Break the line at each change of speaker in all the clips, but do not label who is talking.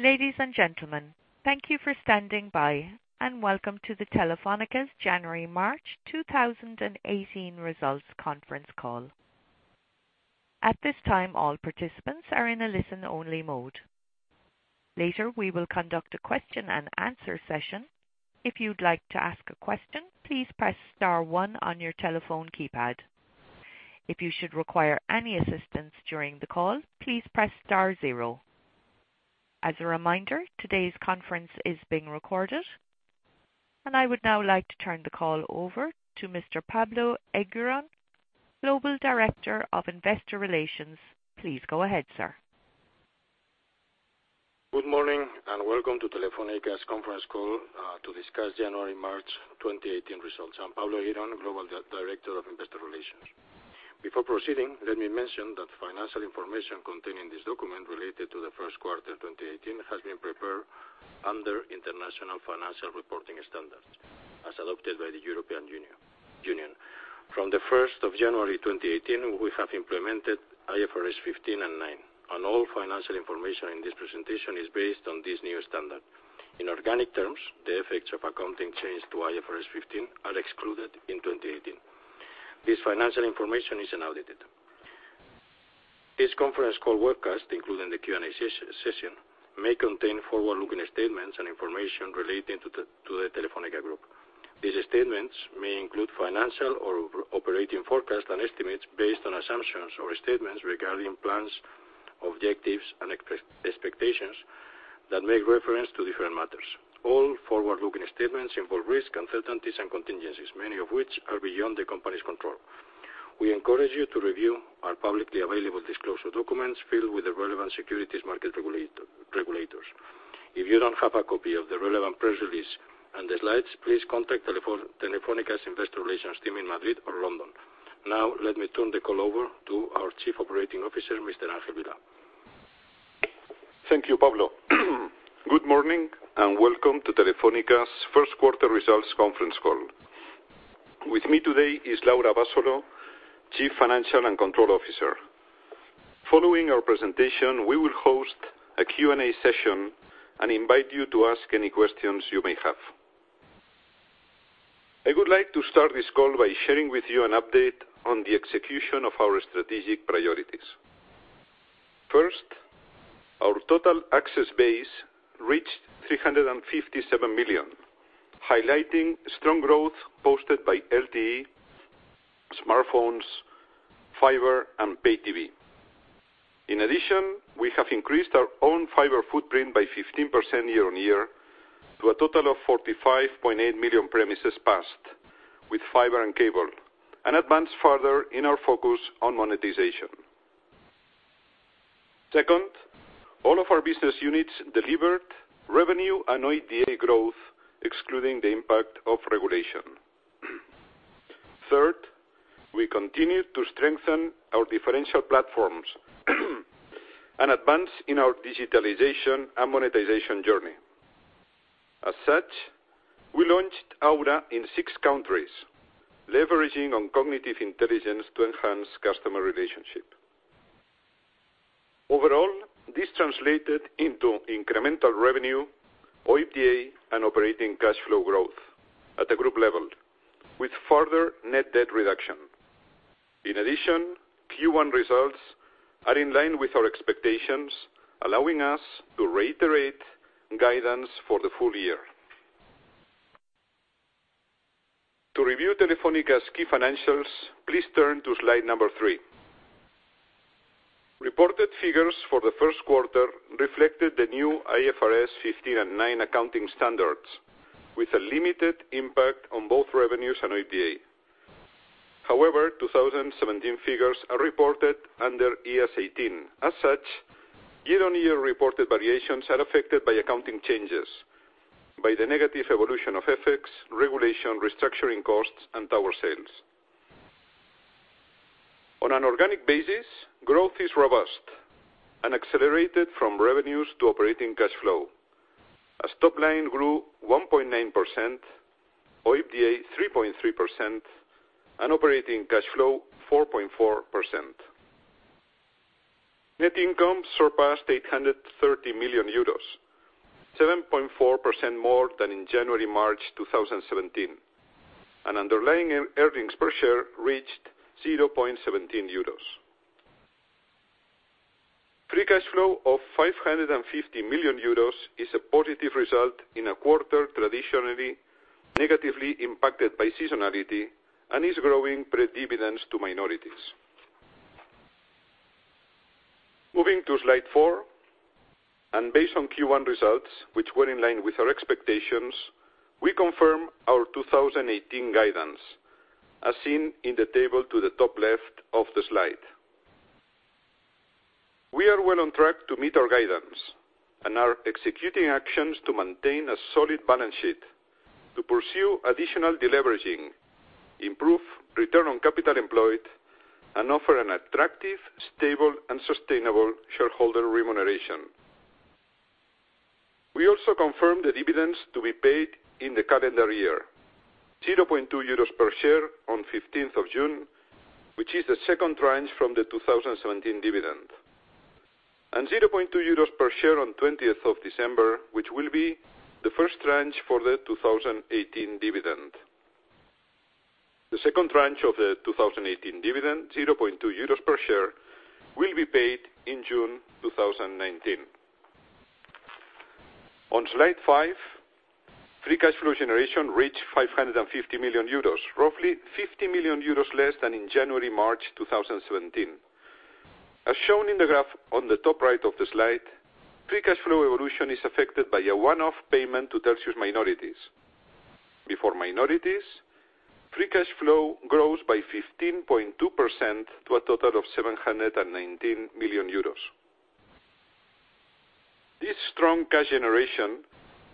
Ladies and gentlemen, thank you for standing by, and welcome to the Telefónica's January-March 2018 results conference call. At this time, all participants are in a listen-only mode. Later, we will conduct a question and answer session. If you would like to ask a question, please press star one on your telephone keypad. If you should require any assistance during the call, please press star zero. As a reminder, today's conference is being recorded, and I would now like to turn the call over to Mr. Pablo Eguirón, Global Director of Investor Relations. Please go ahead, sir.
Good morning and welcome to Telefónica's conference call to discuss January-March 2018 results. I'm Pablo Eguirón, Global Director of Investor Relations. Before proceeding, let me mention that financial information contained in this document related to the first quarter 2018 has been prepared under International Financial Reporting Standards as adopted by the European Union. From the 1st of January 2018, we have implemented IFRS 15 and 9, and all financial information in this presentation is based on this new standard. In organic terms, the effects of accounting changes to IFRS 15 are excluded in 2018. This financial information is unaudited. This conference call webcast, including the Q&A session, may contain forward-looking statements and information relating to the Telefónica Group. These statements may include financial or operating forecasts and estimates based on assumptions or statements regarding plans, objectives, and expectations that make reference to different matters. All forward-looking statements involve risks, uncertainties, and contingencies, many of which are beyond the company's control. We encourage you to review our publicly available disclosure documents filed with the relevant securities market regulators. If you do not have a copy of the relevant press release and the slides, please contact Telefónica's Investor Relations Team in Madrid or London. Now, let me turn the call over to our Chief Operating Officer, Mr. Ángel Vilá.
Thank you, Pablo. Good morning and welcome to Telefónica's first quarter results conference call. With me today is Laura Abasolo, Chief Financial and Control Officer. Following our presentation, we will host a Q&A session and invite you to ask any questions you may have. I would like to start this call by sharing with you an update on the execution of our strategic priorities. First, our total access base reached 357 million, highlighting strong growth posted by LTE, smartphones, fiber, and pay TV. In addition, we have increased our own fiber footprint by 15% year-on-year to a total of 45.8 million premises passed with fiber and cable, and advanced further in our focus on monetization. Second, all of our business units delivered revenue and OIBDA growth, excluding the impact of regulation. Third, we continued to strengthen our differential platforms and advance in our digitalization and monetization journey. As such, we launched Aura in six countries, leveraging on cognitive intelligence to enhance customer relationship. Overall, this translated into incremental revenue, OIBDA, and operating cash flow growth at the group level, with further net debt reduction. In addition, Q1 results are in line with our expectations, allowing us to reiterate guidance for the full year. To review Telefónica's key financials, please turn to slide number three. Reported figures for the first quarter reflected the new IFRS 15 and 9 accounting standards, with a limited impact on both revenues and OIBDA. However, 2017 figures are reported under IAS 18. As such, year-on-year reported variations are affected by accounting changes, by the negative evolution of FX, regulation, restructuring costs, and tower sales. On an organic basis, growth is robust and accelerated from revenues to operating cash flow, as top line grew 1.9%, OIBDA 3.3%, and operating cash flow 4.4%. Net income surpassed 830 million euros, 7.4% more than in January-March 2017, and underlying earnings per share reached 0.17 euros. Free cash flow of 550 million euros is a positive result in a quarter traditionally negatively impacted by seasonality and is growing pre-dividends to minorities. Moving to slide four, based on Q1 results, which were in line with our expectations, we confirm our 2018 guidance, as seen in the table to the top left of the slide. We are well on track to meet our guidance and are executing actions to maintain a solid balance sheet to pursue additional deleveraging, improve return on capital employed, and offer an attractive, stable, and sustainable shareholder remuneration. We also confirm the dividends to be paid in the calendar year. 0.2 euros per share on 15th of June, which is the second tranche from the 2017 dividend. 0.2 euros per share on 20th of December, which will be the first tranche for the 2018 dividend. The second tranche of the 2018 dividend, 0.2 euros per share, will be paid in June 2019. On slide five, free cash flow generation reached 550 million euros, roughly 50 million euros less than in January-March 2017. As shown in the graph on the top right of the slide, free cash flow evolution is affected by a one-off payment to Telxius minorities. Before minorities, free cash flow grows by 15.2% to a total of 719 million euros. This strong cash generation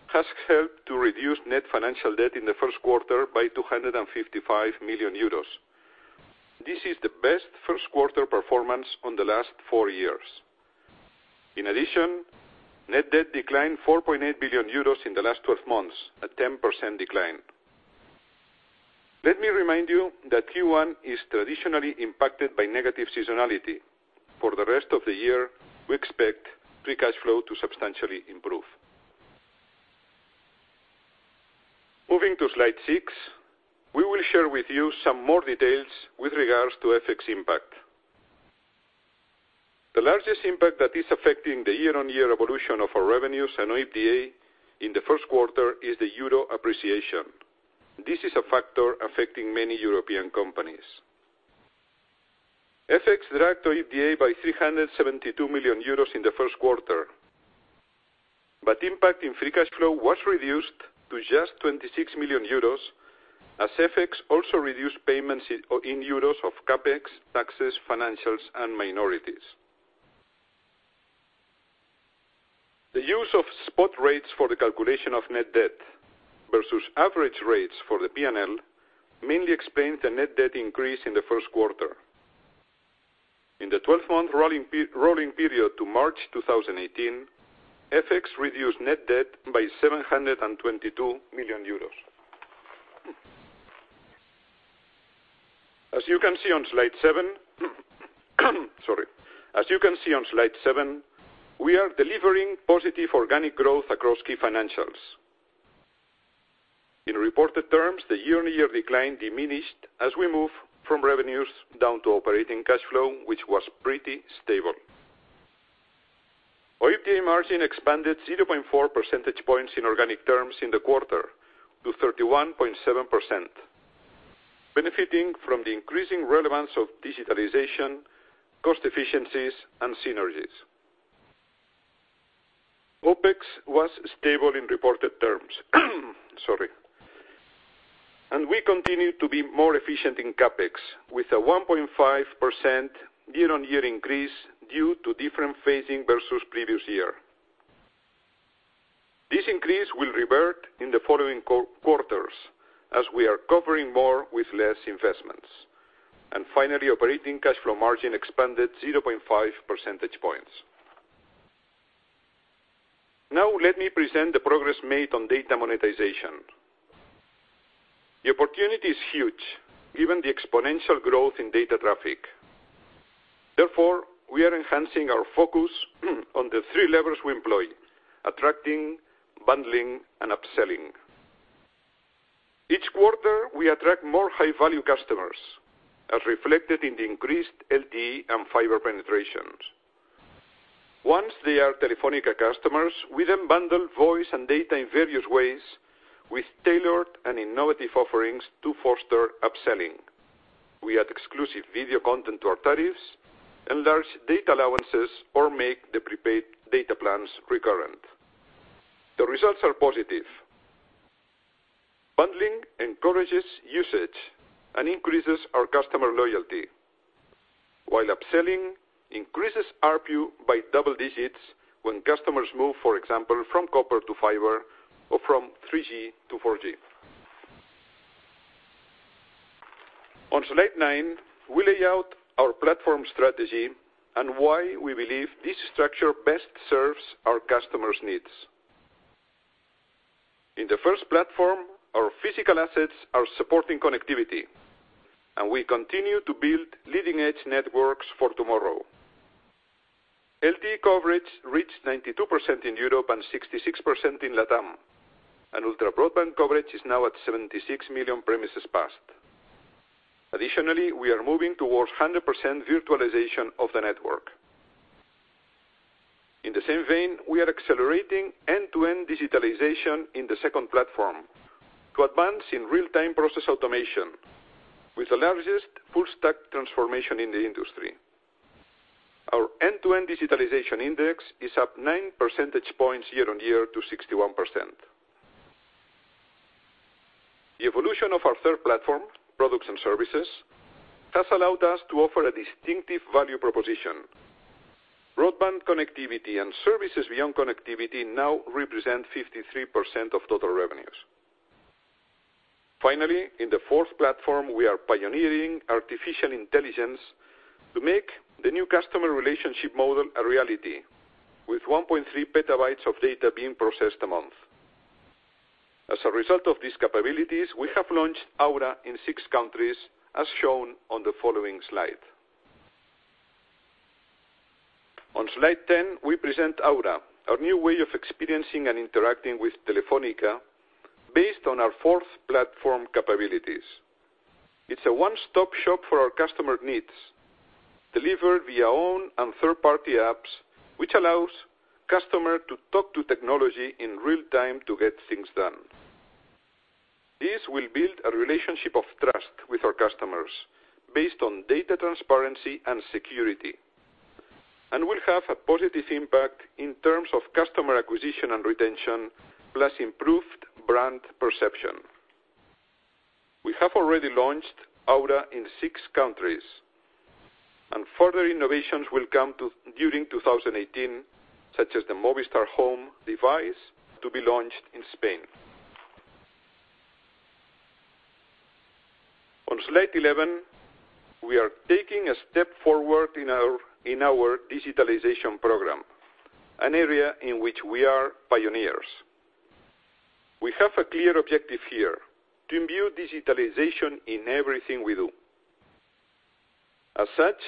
has helped to reduce net financial debt in the first quarter by 255 million euros. This is the best first quarter performance on the last four years. In addition, net debt declined 4.8 billion euros in the last 12 months, a 10% decline. Let me remind you that Q1 is traditionally impacted by negative seasonality. For the rest of the year, we expect free cash flow to substantially improve. Moving to slide six, we will share with you some more details with regards to FX impact. The largest impact that is affecting the year-on-year evolution of our revenues and OIBDA in the first quarter is the euro appreciation. This is a factor affecting many European companies. FX dragged OIBDA by 372 million euros in the first quarter, but impact in free cash flow was reduced to just 26 million euros as FX also reduced payments in euros of CapEx, taxes, financials, and minorities. The use of spot rates for the calculation of net debt versus average rates for the P&L mainly explains the net debt increase in the first quarter. In the 12-month rolling period to March 2018, FX reduced net debt by 722 million euros. As you can see on slide seven, we are delivering positive organic growth across key financials. In reported terms, the year-on-year decline diminished as we move from revenues down to operating cash flow, which was pretty stable. OIBDA margin expanded 0.4 percentage points in organic terms in the quarter to 31.7%, benefiting from the increasing relevance of digitalization, cost efficiencies, and synergies. OPEX was stable in reported terms. Sorry. We continue to be more efficient in CapEx, with a 1.5% year-on-year increase due to different phasing versus previous year. This increase will revert in the following quarters as we are covering more with less investments. Finally, operating cash flow margin expanded 0.5 percentage points. Now let me present the progress made on data monetization. The opportunity is huge, given the exponential growth in data traffic. Therefore, we are enhancing our focus on the three levers we employ: attracting, bundling, and upselling. Each quarter, we attract more high-value customers, as reflected in the increased LTE and fiber penetrations. Once they are Telefónica customers, we then bundle voice and data in various ways with tailored and innovative offerings to foster upselling. We add exclusive video content to our tariffs, enlarge data allowances, or make the prepaid data plans recurrent. The results are positive. Bundling encourages usage and increases our customer loyalty, while upselling increases ARPU by double digits when customers move, for example, from copper to fiber or from 3G to 4G. On slide nine, we lay out our platform strategy and why we believe this structure best serves our customers' needs. In the first platform, our physical assets are supporting connectivity, we continue to build leading-edge networks for tomorrow. LTE coverage reached 92% in Europe and 66% in LATAM, ultra-broadband coverage is now at 76 million premises passed. Additionally, we are moving towards 100% virtualization of the network. In the same vein, we are accelerating end-to-end digitalization in the second platform to advance in real-time process automation with the largest full stack transformation in the industry. Our end-to-end digitalization index is up nine percentage points year on year to 61%. The evolution of our third platform, products and services, has allowed us to offer a distinctive value proposition. Broadband connectivity and services beyond connectivity now represent 53% of total revenues. Finally, in the fourth platform, we are pioneering artificial intelligence to make the new customer relationship model a reality with 1.3 petabytes of data being processed a month. As a result of these capabilities, we have launched Aura in six countries, as shown on the following slide. On slide 10, we present Aura, our new way of experiencing and interacting with Telefónica, based on our fourth platform capabilities. It's a one-stop shop for our customer needs, delivered via own and third-party apps, which allows customer to talk to technology in real time to get things done. This will build a relationship of trust with our customers based on data transparency and security, will have a positive impact in terms of customer acquisition and retention, plus improved brand perception. We have already launched Aura in six countries, further innovations will come during 2018, such as the Movistar Home device to be launched in Spain. On slide 11, we are taking a step forward in our digitalization program, an area in which we are pioneers. We have a clear objective here, to imbue digitalization in everything we do. As such,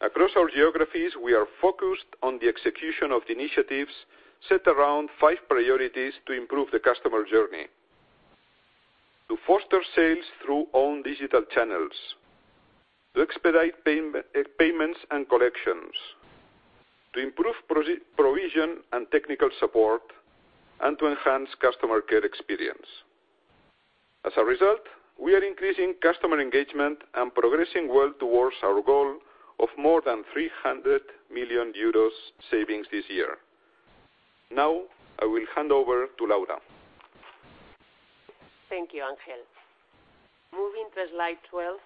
across our geographies, we are focused on the execution of the initiatives set around five priorities to improve the customer journey: to foster sales through own digital channels, to expedite payments and collections, to improve provision and technical support, and to enhance customer care experience. As a result, we are increasing customer engagement and progressing well towards our goal of more than 300 million euros savings this year. Now, I will hand over to Laura.
Thank you, Ángel. Moving to slide 12,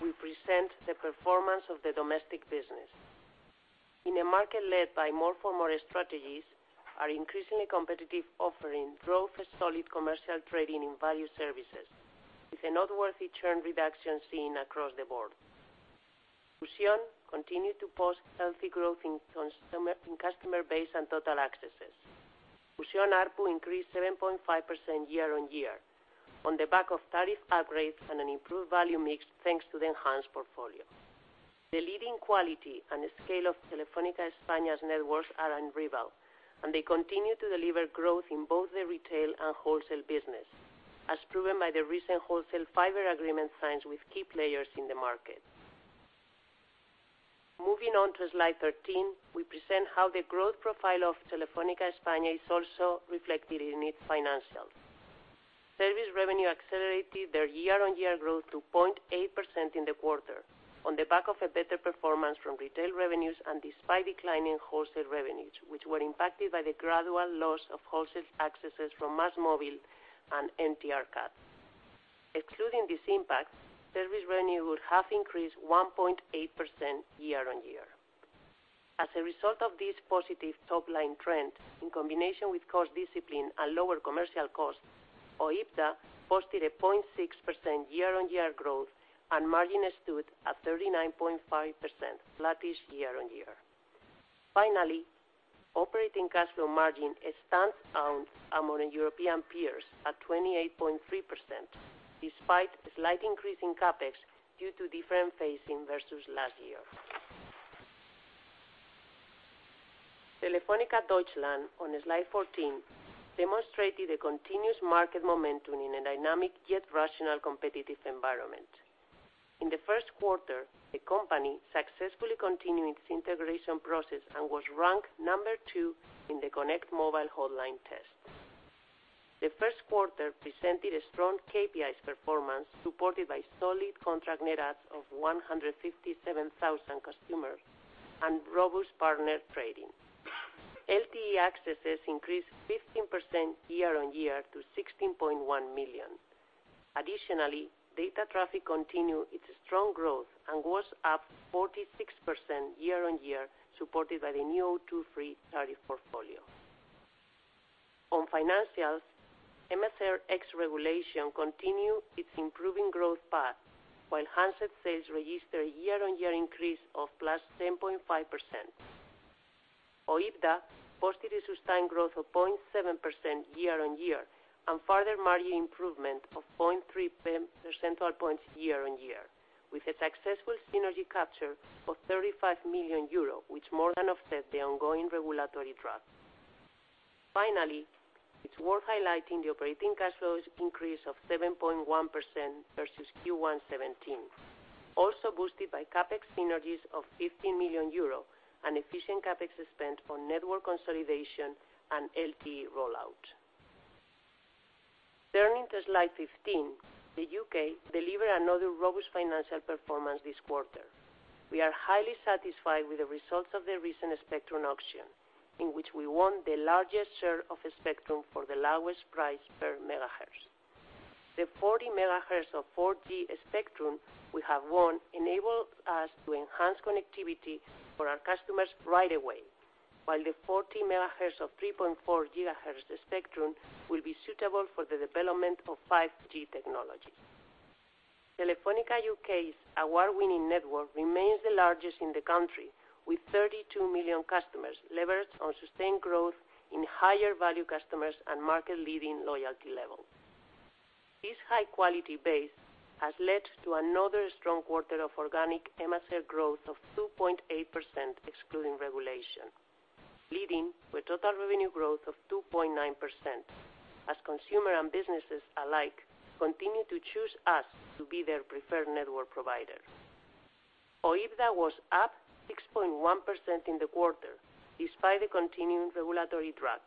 we present the performance of the domestic business. In a market led by more for more strategies, our increasingly competitive offering drove a solid commercial trading in value services, with a noteworthy churn reduction seen across the board. Fusión continued to post healthy growth in customer base and total accesses. Fusión ARPU increased 7.5% year-on-year, on the back of tariff upgrades and an improved value mix thanks to the enhanced portfolio. The leading quality and scale of Telefónica España's networks are unrivaled, and they continue to deliver growth in both the retail and wholesale business, as proven by the recent wholesale fiber agreement signed with key players in the market. Moving on to slide 13, we present how the growth profile of Telefónica España is also reflected in its financials. Service revenue accelerated their year-on-year growth to 0.8% in the quarter, on the back of a better performance from retail revenues and despite declining wholesale revenues, which were impacted by the gradual loss of wholesale accesses from MásMóvil and MTR cut. Excluding this impact, service revenue would have increased 1.8% year-on-year. As a result of this positive top-line trend, in combination with cost discipline and lower commercial costs, OIBDA posted a 0.6% year-on-year growth, and margin stood at 39.5%, flattish year-on-year. Finally, operating cash flow margin stands out among European peers at 28.3%, despite a slight increase in CapEx due to different phasing versus last year. Telefónica Deutschland, on slide 14, demonstrated a continuous market momentum in a dynamic yet rational competitive environment. In the first quarter, the company successfully continued its integration process and was ranked number 2 in the connect Mobilfunk-Hotline-Test. The first quarter presented a strong KPIs performance, supported by solid contract net adds of 157,000 customers and robust partner trading. LTE accesses increased 15% year-on-year to 16.1 million. Additionally, data traffic continued its strong growth and was up 46% year-on-year, supported by the new O2 Free tariff portfolio. On financials, MSR regulation continued its improving growth path, while handset sales registered a year-on-year increase of +10.5%. OIBDA posted a sustained growth of 0.7% year-on-year, and further margin improvement of 0.3 percentile points year-on-year, with a successful synergy capture of 35 million euro, which more than offset the ongoing regulatory drag. Finally, it's worth highlighting the operating cash flows increase of 7.1% versus Q1 2017, also boosted by CapEx synergies of 15 million euro and efficient CapEx spent on network consolidation and LTE rollout. Turning to slide 15, the U.K. delivered another robust financial performance this quarter. We are highly satisfied with the results of the recent spectrum auction, in which we won the largest share of the spectrum for the lowest price per megahertz. The 40 megahertz of 4G spectrum we have won enables us to enhance connectivity for our customers right away, while the 40 megahertz of 3.4 gigahertz spectrum will be suitable for the development of 5G technology. Telefónica U.K.'s award-winning network remains the largest in the country, with 32 million customers leveraged on sustained growth in higher value customers and market leading loyalty level. This high-quality base has led to another strong quarter of organic MSR growth of 2.8%, excluding regulation, leading with total revenue growth of 2.9%, as consumer and businesses alike continue to choose us to be their preferred network provider. OIBDA was up 6.1% in the quarter, despite the continuing regulatory drag,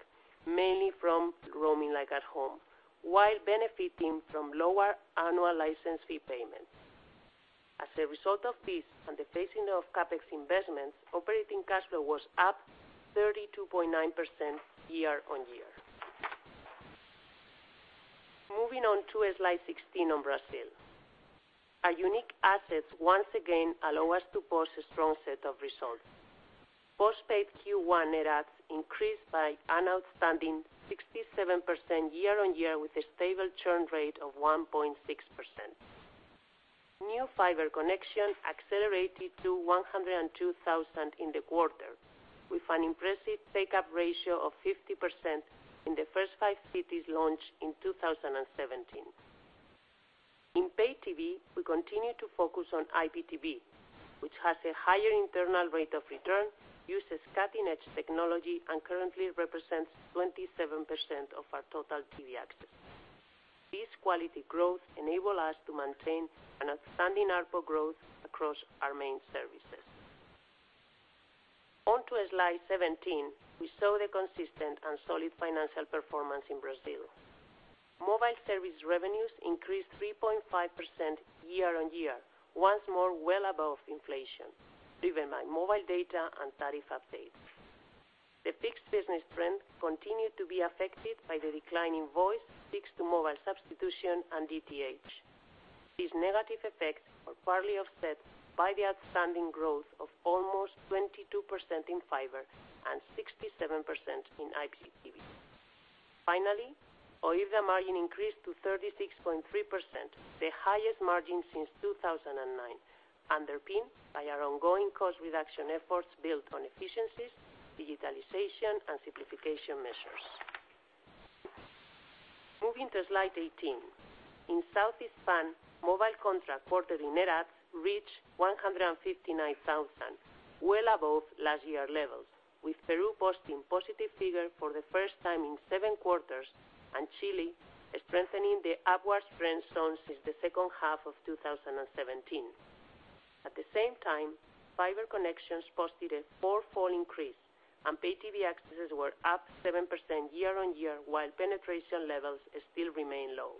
mainly from roaming like at home, while benefiting from lower annual license fee payments. As a result of this, and the phasing of CapEx investments, operating cash flow was up 32.9% year-on-year. Moving on to slide 16 on Brazil. Our unique assets once again allow us to post a strong set of results. Postpaid Q1 net adds increased by an outstanding 67% year-on-year, with a stable churn rate of 1.6%. New fiber connection accelerated to 102,000 in the quarter, with an impressive take-up ratio of 50% in the first five cities launched in 2017. In Pay TV, we continue to focus on IPTV, which has a higher internal rate of return, uses cutting-edge technology, and currently represents 27% of our total TV access. This quality growth enable us to maintain an outstanding ARPU growth across our main services. On to slide 17, we saw the consistent and solid financial performance in Brazil. Mobile service revenues increased 3.5% year-on-year, once more well above inflation, driven by mobile data and tariff updates. The fixed business trend continued to be affected by the decline in voice, fixed to mobile substitution, and DTH. These negative effects are partly offset by the outstanding growth of almost 22% in fiber and 67% in IPTV. Finally, OIBDA margin increased to 36.3%, the highest margin since 2009, underpinned by our ongoing cost reduction efforts built on efficiencies, digitalization, and simplification measures. Moving to slide 18. In South Hispam, mobile contract quarterly net adds reached 159,000, well above last year levels, with Peru posting positive figure for the first time in seven quarters and Chile strengthening the upwards trend shown since the second half of 2017. At the same time, fiber connections posted a fourfold increase and Pay TV accesses were up 7% year-on-year, while penetration levels still remain low.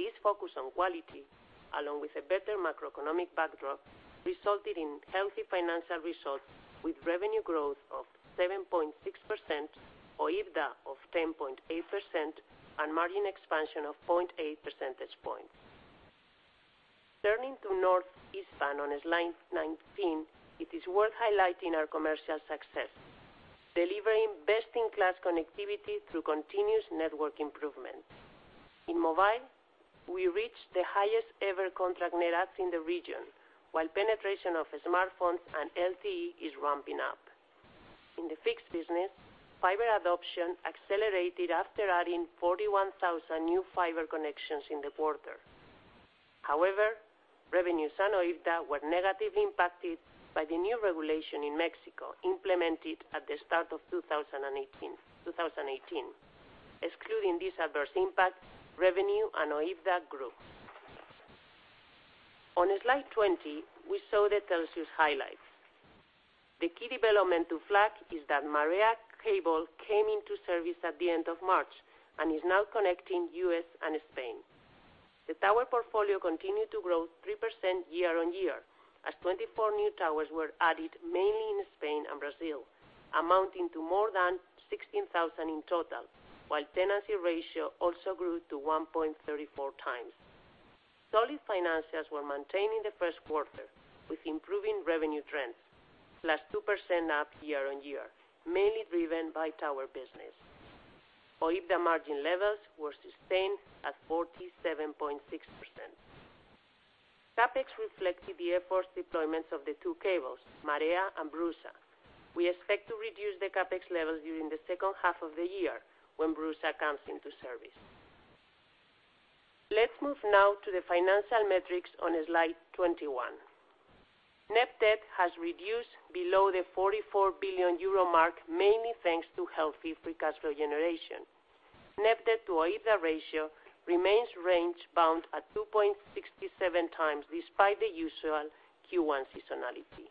This focus on quality, along with a better macroeconomic backdrop, resulted in healthy financial results with revenue growth of 7.6%, OIBDA of 10.8%, and margin expansion of 0.8 percentage points. Turning to North Hispam on slide 19, it is worth highlighting our commercial success, delivering best-in-class connectivity through continuous network improvements. In mobile, we reached the highest ever contract net adds in the region, while penetration of smartphones and LTE is ramping up. In the fixed business, fiber adoption accelerated after adding 41,000 new fiber connections in the quarter. However, revenues and OIBDA were negatively impacted by the new regulation in Mexico implemented at the start of 2018. Excluding this adverse impact, revenue and OIBDA grew. On slide 20, we saw the Telxius highlights. The key development to flag is that Marea cable came into service at the end of March and is now connecting U.S. and Spain. The tower portfolio continued to grow 3% year-on-year, as 24 new towers were added, mainly in Spain and Brazil, amounting to more than 16,000 in total, while tenancy ratio also grew to 1.34 times. Solid financials were maintained in the first quarter, with improving revenue trends, +2% up year-on-year, mainly driven by tower business. OIBDA margin levels were sustained at 47.6%. CapEx reflected the efforts deployments of the two cables, Marea and BRUSA. We expect to reduce the CapEx levels during the second half of the year when BRUSA comes into service. Let's move now to the financial metrics on slide 21. Net debt has reduced below the 44 billion euro mark, mainly thanks to healthy free cash flow generation. Net debt to OIBDA ratio remains range bound at 2.67 times, despite the usual Q1 seasonality.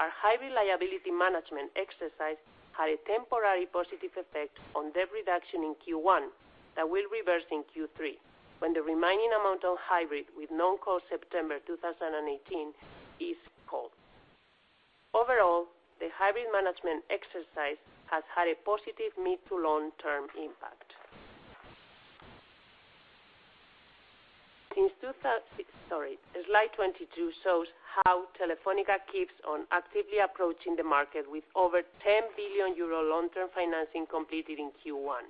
Our high reliability management exercise had a temporary positive effect on debt reduction in Q1 that will reverse in Q3 when the remaining amount on hybrid with known call September 2018 is called. Overall, the hybrid management exercise has had a positive mid-to-long-term impact. Slide 22 shows how Telefónica keeps on actively approaching the market with over 10 billion euro long-term financing completed in Q1.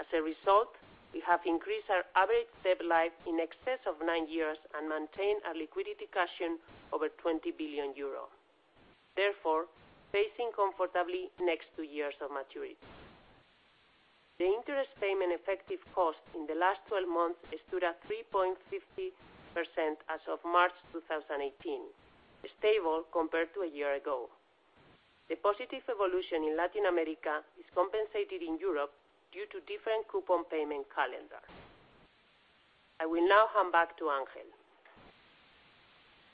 As a result, we have increased our average debt life in excess of nine years and maintained a liquidity cushion over 20 billion euro. Therefore, facing comfortably next two years of maturity. The interest payment effective cost in the last 12 months stood at 3.50% as of March 2018, stable compared to a year ago. The positive evolution in Latin America is compensated in Europe due to different coupon payment calendars. I will now hand back to Ángel.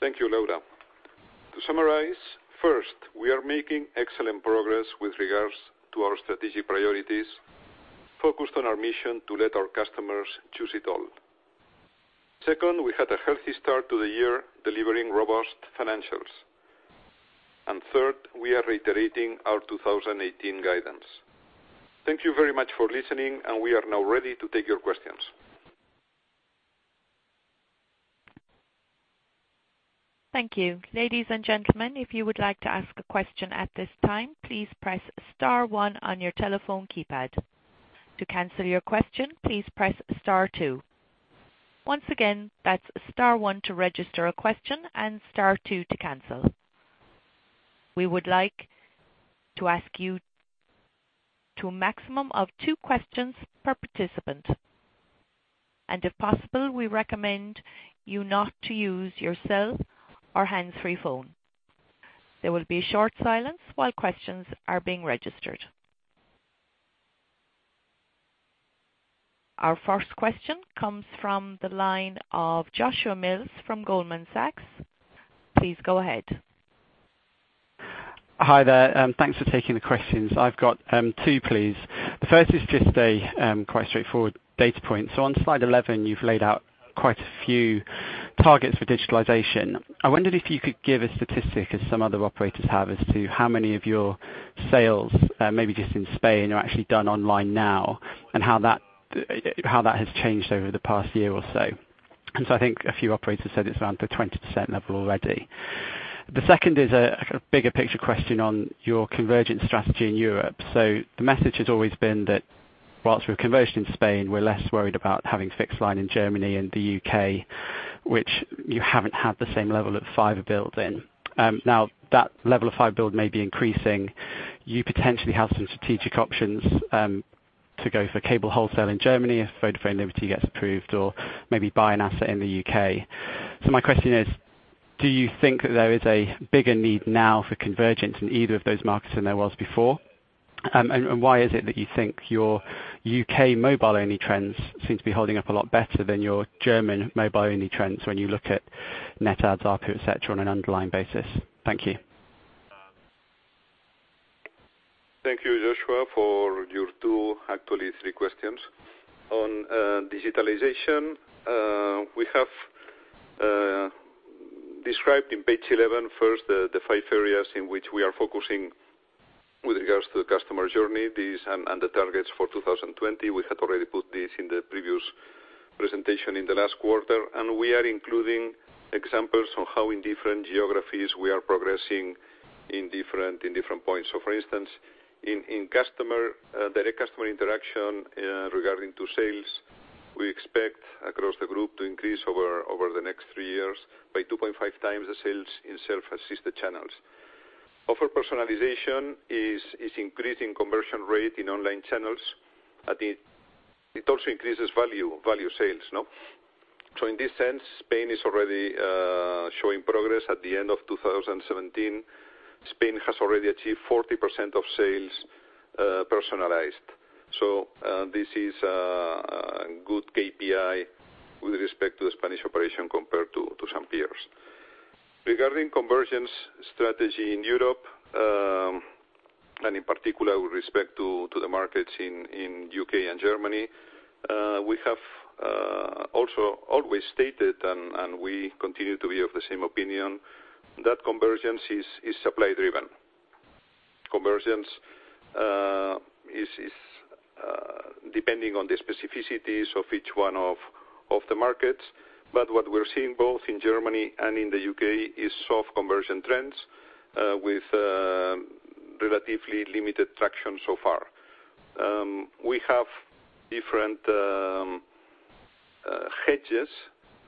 Thank you, Laura. To summarize, first, we are making excellent progress with regards to our strategic priorities, focused on our mission to let our customers choose it all. Second, we had a healthy start to the year, delivering robust financials. Third, we are reiterating our 2018 guidance. Thank you very much for listening, and we are now ready to take your questions.
Thank you. Ladies and gentlemen, if you would like to ask a question at this time, please press star one on your telephone keypad. To cancel your question, please press star two. Once again, that's star one to register a question and star two to cancel. We would like to ask you to a maximum of two questions per participant. If possible, we recommend you not to use your cell or hands-free phone. There will be a short silence while questions are being registered. Our first question comes from the line of Joshua Mills from Goldman Sachs. Please go ahead.
Hi there. Thanks for taking the questions. I've got two, please. The first is just a quite straightforward data point. On slide eleven, you've laid out quite a few targets for digitalization. I wondered if you could give a statistic, as some other operators have, as to how many of your sales, maybe just in Spain, are actually done online now, and how that has changed over the past year or so. I think a few operators said it's around the 20% level already. The second is a bigger picture question on your convergent strategy in Europe. The message has always been that whilst we're convergent in Spain, we're less worried about having fixed line in Germany and the U.K., which you haven't had the same level of fiber build in. Now, that level of fiber build may be increasing. You potentially have some strategic options to go for cable wholesale in Germany if Vodafone Liberty gets approved or maybe buy an asset in the U.K. My question is, do you think that there is a bigger need now for convergence in either of those markets than there was before? Why is it that you think your U.K. mobile-only trends seem to be holding up a lot better than your German mobile-only trends when you look at net adds, ARPU, et cetera, on an underlying basis? Thank you.
Thank you, Joshua, for your two, actually three questions. On digitalization, we have described on page eleven first the five areas in which we are focusing with regards to the customer journey, these and the targets for 2020. We had already put this in the previous presentation in the last quarter. We are including examples on how in different geographies we are progressing in different points. For instance, in direct customer interaction regarding to sales, we expect across the group to increase over the next three years by 2.5 times the sales in self-assisted channels. Offer personalization is increasing conversion rate in online channels. It also increases value sales. In this sense, Spain is already showing progress. At the end of 2017, Spain has already achieved 40% of sales personalized. This is a good KPI with respect to the Spanish operation compared to some peers. Regarding convergence strategy in Europe, in particular with respect to the markets in the U.K. and Germany, we have also always stated, and we continue to be of the same opinion, that convergence is supply driven. Convergence is depending on the specificities of each one of the markets. What we're seeing both in Germany and in the U.K. is soft conversion trends, with relatively limited traction so far. We have different hedges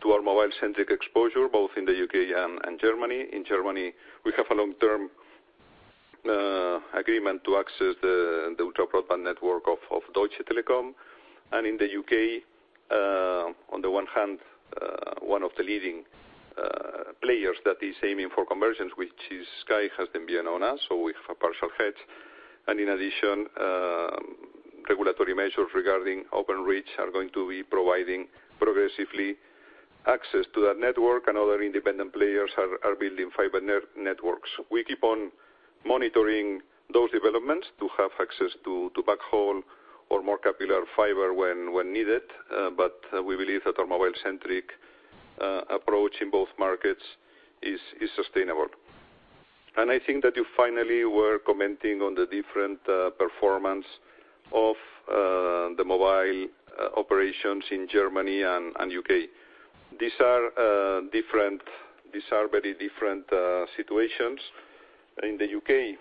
to our mobile-centric exposure, both in the U.K. and Germany. In Germany, we have a long-term agreement to access the ultra broadband network of Deutsche Telekom. In the U.K., on the one hand, one of the leading players that is aiming for convergence, which is Sky, has been. We have a partial hedge. In addition, regulatory measures regarding Openreach are going to be providing progressively access to that network, and other independent players are building fiber networks. We keep on monitoring those developments to have access to backhaul or more capillary fiber when needed, but we believe that our mobile-centric approach in both markets is sustainable. I think that you finally were commenting on the different performance of the mobile operations in Germany and the U.K. These are very different situations. In the U.K.,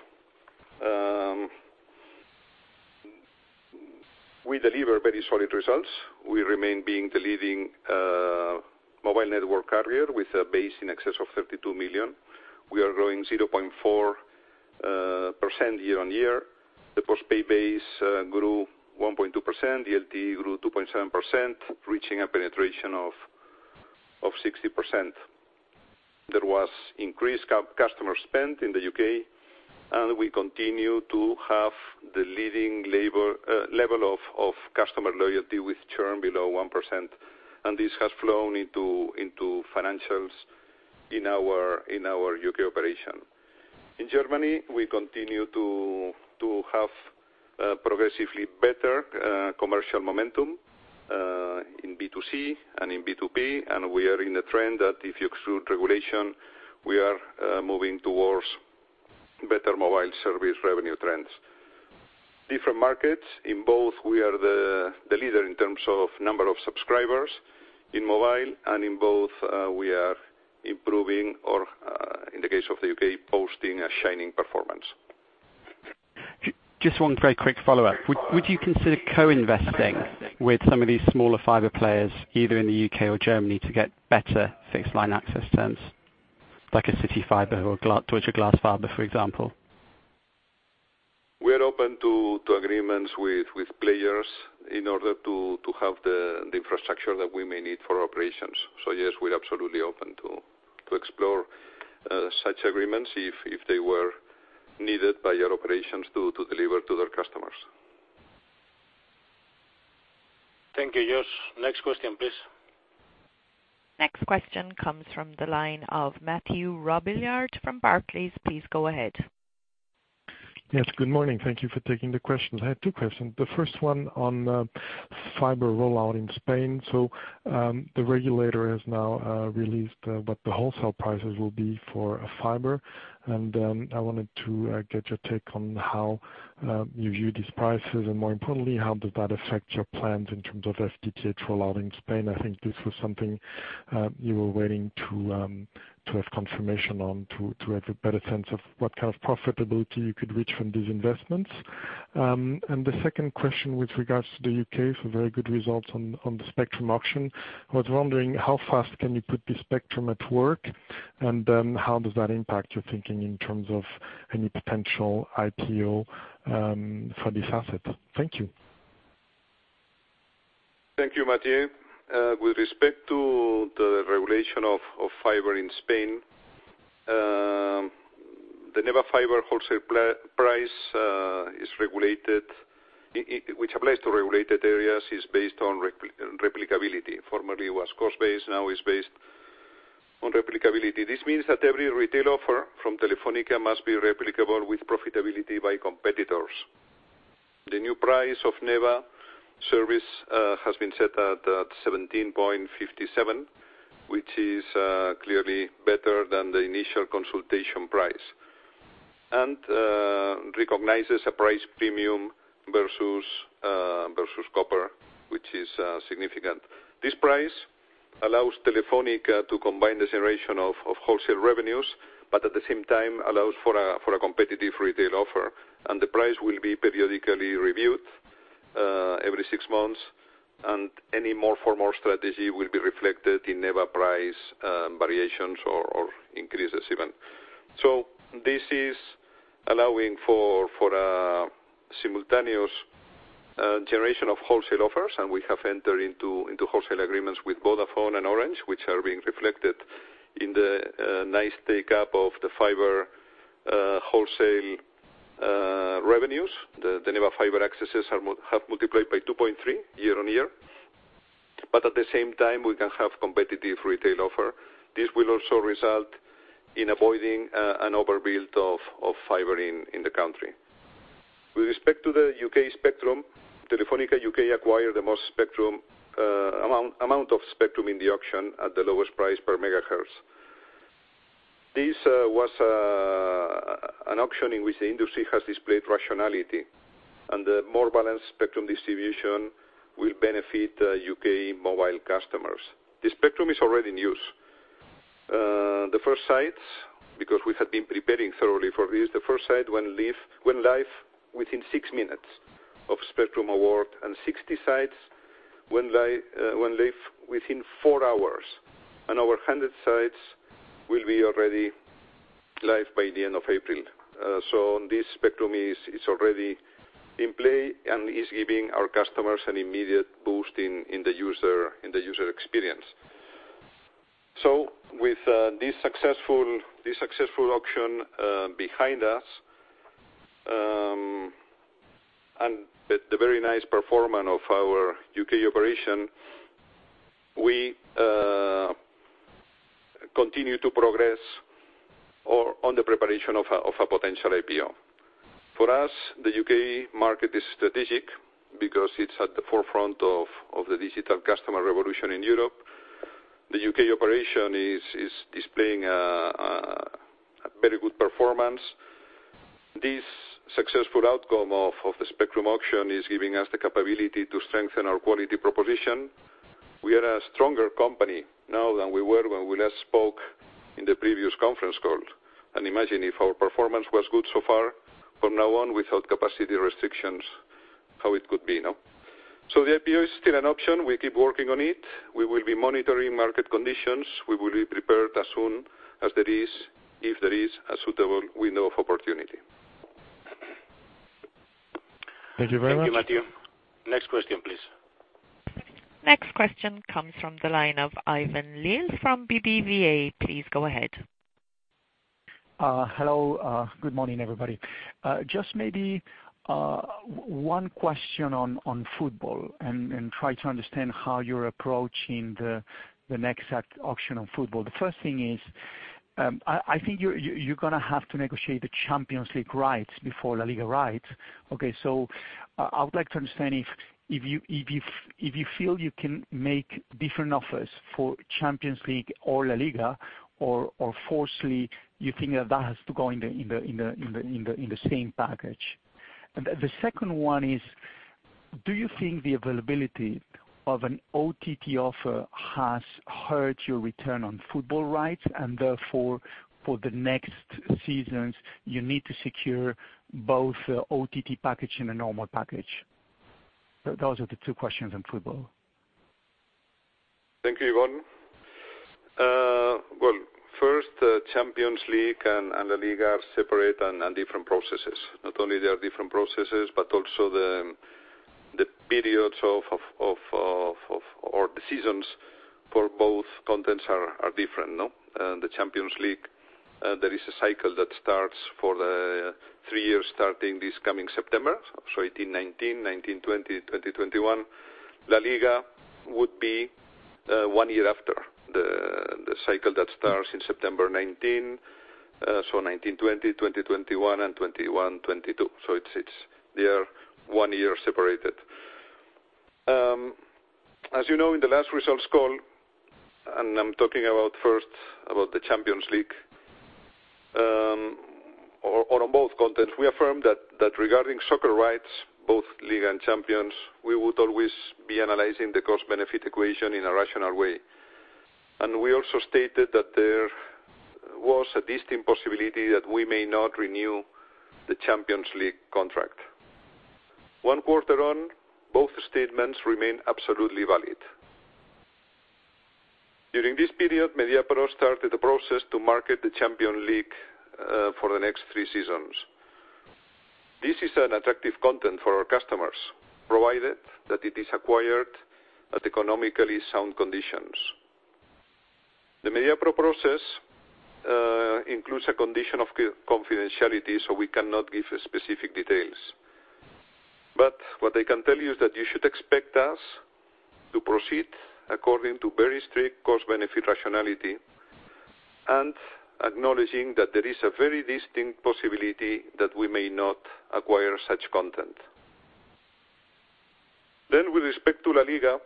we deliver very solid results. We remain being the leading mobile network carrier with a base in excess of 52 million. We are growing 0.4% year-over-year. The postpaid base grew 1.2%, the LTE grew 2.7%, reaching a penetration of 60%. There was increased customer spend in the U.K., and we continue to have the leading level of customer loyalty with churn below 1%, and this has flown into financials in our U.K. operation. In Germany, we continue to have progressively better commercial momentum, in B2C and in B2B, and we are in a trend that if you exclude regulation, we are moving towards better mobile service revenue trends. Different markets. In both, we are the leader in terms of number of subscribers in mobile, and in both, we are improving or, in the case of the U.K., posting a shining performance.
Just one very quick follow-up. Would you consider co-investing with some of these smaller fiber players, either in the U.K. or Germany to get better fixed-line access terms, like a CityFibre or Deutsche Glasfaser, for example?
We're open to agreements with players in order to have the infrastructure that we may need for our operations. Yes, we're absolutely open to explore such agreements if they were needed by our operations to deliver to their customers.
Thank you, Josh. Next question, please.
Next question comes from the line of Mathieu Robillard from Barclays. Please go ahead.
Yes, good morning. Thank you for taking the question. I have two questions. The first one on fiber rollout in Spain. The regulator has now released what the wholesale prices will be for fiber. I wanted to get your take on how you view these prices and more importantly, how does that affect your plans in terms of FTTH rollout in Spain? I think this was something you were waiting to have confirmation on, to have a better sense of what kind of profitability you could reach from these investments. The second question with regards to the U.K., for very good results on the spectrum auction. I was wondering how fast can you put this spectrum at work, how does that impact your thinking in terms of any potential IPO for this asset? Thank you.
Thank you, Mathieu. With respect to the regulation of fiber in Spain, the NEBA fiber wholesale price, which applies to regulated areas, is based on replicability. Formerly, it was cost-based, now it's based on replicability. This means that every retail offer from Telefónica must be replicable with profitability by competitors. The new price of NEBA service has been set at 17.57, which is clearly better than the initial consultation price, and recognizes a price premium versus copper, which is significant. This price allows Telefónica to combine the generation of wholesale revenues. At the same time allows for a competitive retail offer. The price will be periodically reviewed every six months. Any more formal strategy will be reflected in NEBA price variations or increases even. This is allowing for a simultaneous generation of wholesale offers. We have entered into wholesale agreements with Vodafone and Orange, which are being reflected in the nice take-up of the fiber wholesale revenues. The NEBA fiber accesses have multiplied by 2.3 year-on-year. At the same time, we can have competitive retail offer. This will also result in avoiding an overbuild of fiber in the country. With respect to the U.K. spectrum, Telefónica UK acquired the most amount of spectrum in the auction at the lowest price per megahertz. This was an auction in which the industry has displayed rationality. The more balanced spectrum distribution will benefit U.K. mobile customers. The spectrum is already in use. The first sites, because we had been preparing thoroughly for this, the first site went live within six minutes of spectrum award. 60 sites went live within four hours. Over 100 sites will be already live by the end of April. This spectrum is already in play and is giving our customers an immediate boost in the user experience. With this successful auction behind us, the very nice performance of our U.K. operation, we continue to progress on the preparation of a potential IPO. For us, the U.K. market is strategic because it's at the forefront of the digital customer revolution in Europe. The U.K. operation is displaying a very good performance. This successful outcome of the spectrum auction is giving us the capability to strengthen our quality proposition. We are a stronger company now than we were when we last spoke in the previous conference call. Imagine if our performance was good so far, from now on without capacity restrictions, how it could be. The IPO is still an option. We keep working on it. We will be monitoring market conditions. We will be prepared as soon as there is, if there is, a suitable window of opportunity.
Thank you very much.
Thank you, Mathieu. Next question, please.
Next question comes from the line of Ivan Lill from BBVA. Please go ahead.
Hello. Good morning, everybody. Just maybe one question on football and try to understand how you are approaching the next auction on football. The first thing is, I think you are going to have to negotiate the Champions League rights before La Liga rights. I would like to understand if you feel you can make different offers for Champions League or La Liga or forcibly, you think that has to go in the same package. The second one is, do you think the availability of an OTT offer has hurt your return on football rights, and therefore for the next seasons, you need to secure both OTT package and a normal package? Those are the two questions on football.
Thank you, Ivan. First, Champions League and La Liga are separate and different processes. Not only they are different processes, but also the periods or the seasons for both contents are different. The Champions League, there is a cycle that starts for the three years starting this coming September, so 2018, 2019, 2020, 2021. La Liga would be one year after. The cycle that starts in September 2019, so 2019, 2020, 2021, and 2021, 2022. They are one year separated. As you know, in the last results call, and I am talking about first about the Champions League or on both contents. We affirmed that regarding soccer rights, both League and Champions, we would always be analyzing the cost-benefit equation in a rational way. We also stated that there was a distinct possibility that we may not renew the Champions League contract. One quarter on, both statements remain absolutely valid. During this period, Mediapro started the process to market the Champions League for the next three seasons. This is an attractive content for our customers, provided that it is acquired at economically sound conditions. The Mediapro process includes a condition of confidentiality, so we cannot give specific details. What I can tell you is that you should expect us to proceed according to very strict cost-benefit rationality and acknowledging that there is a very distinct possibility that we may not acquire such content. With respect to La Liga,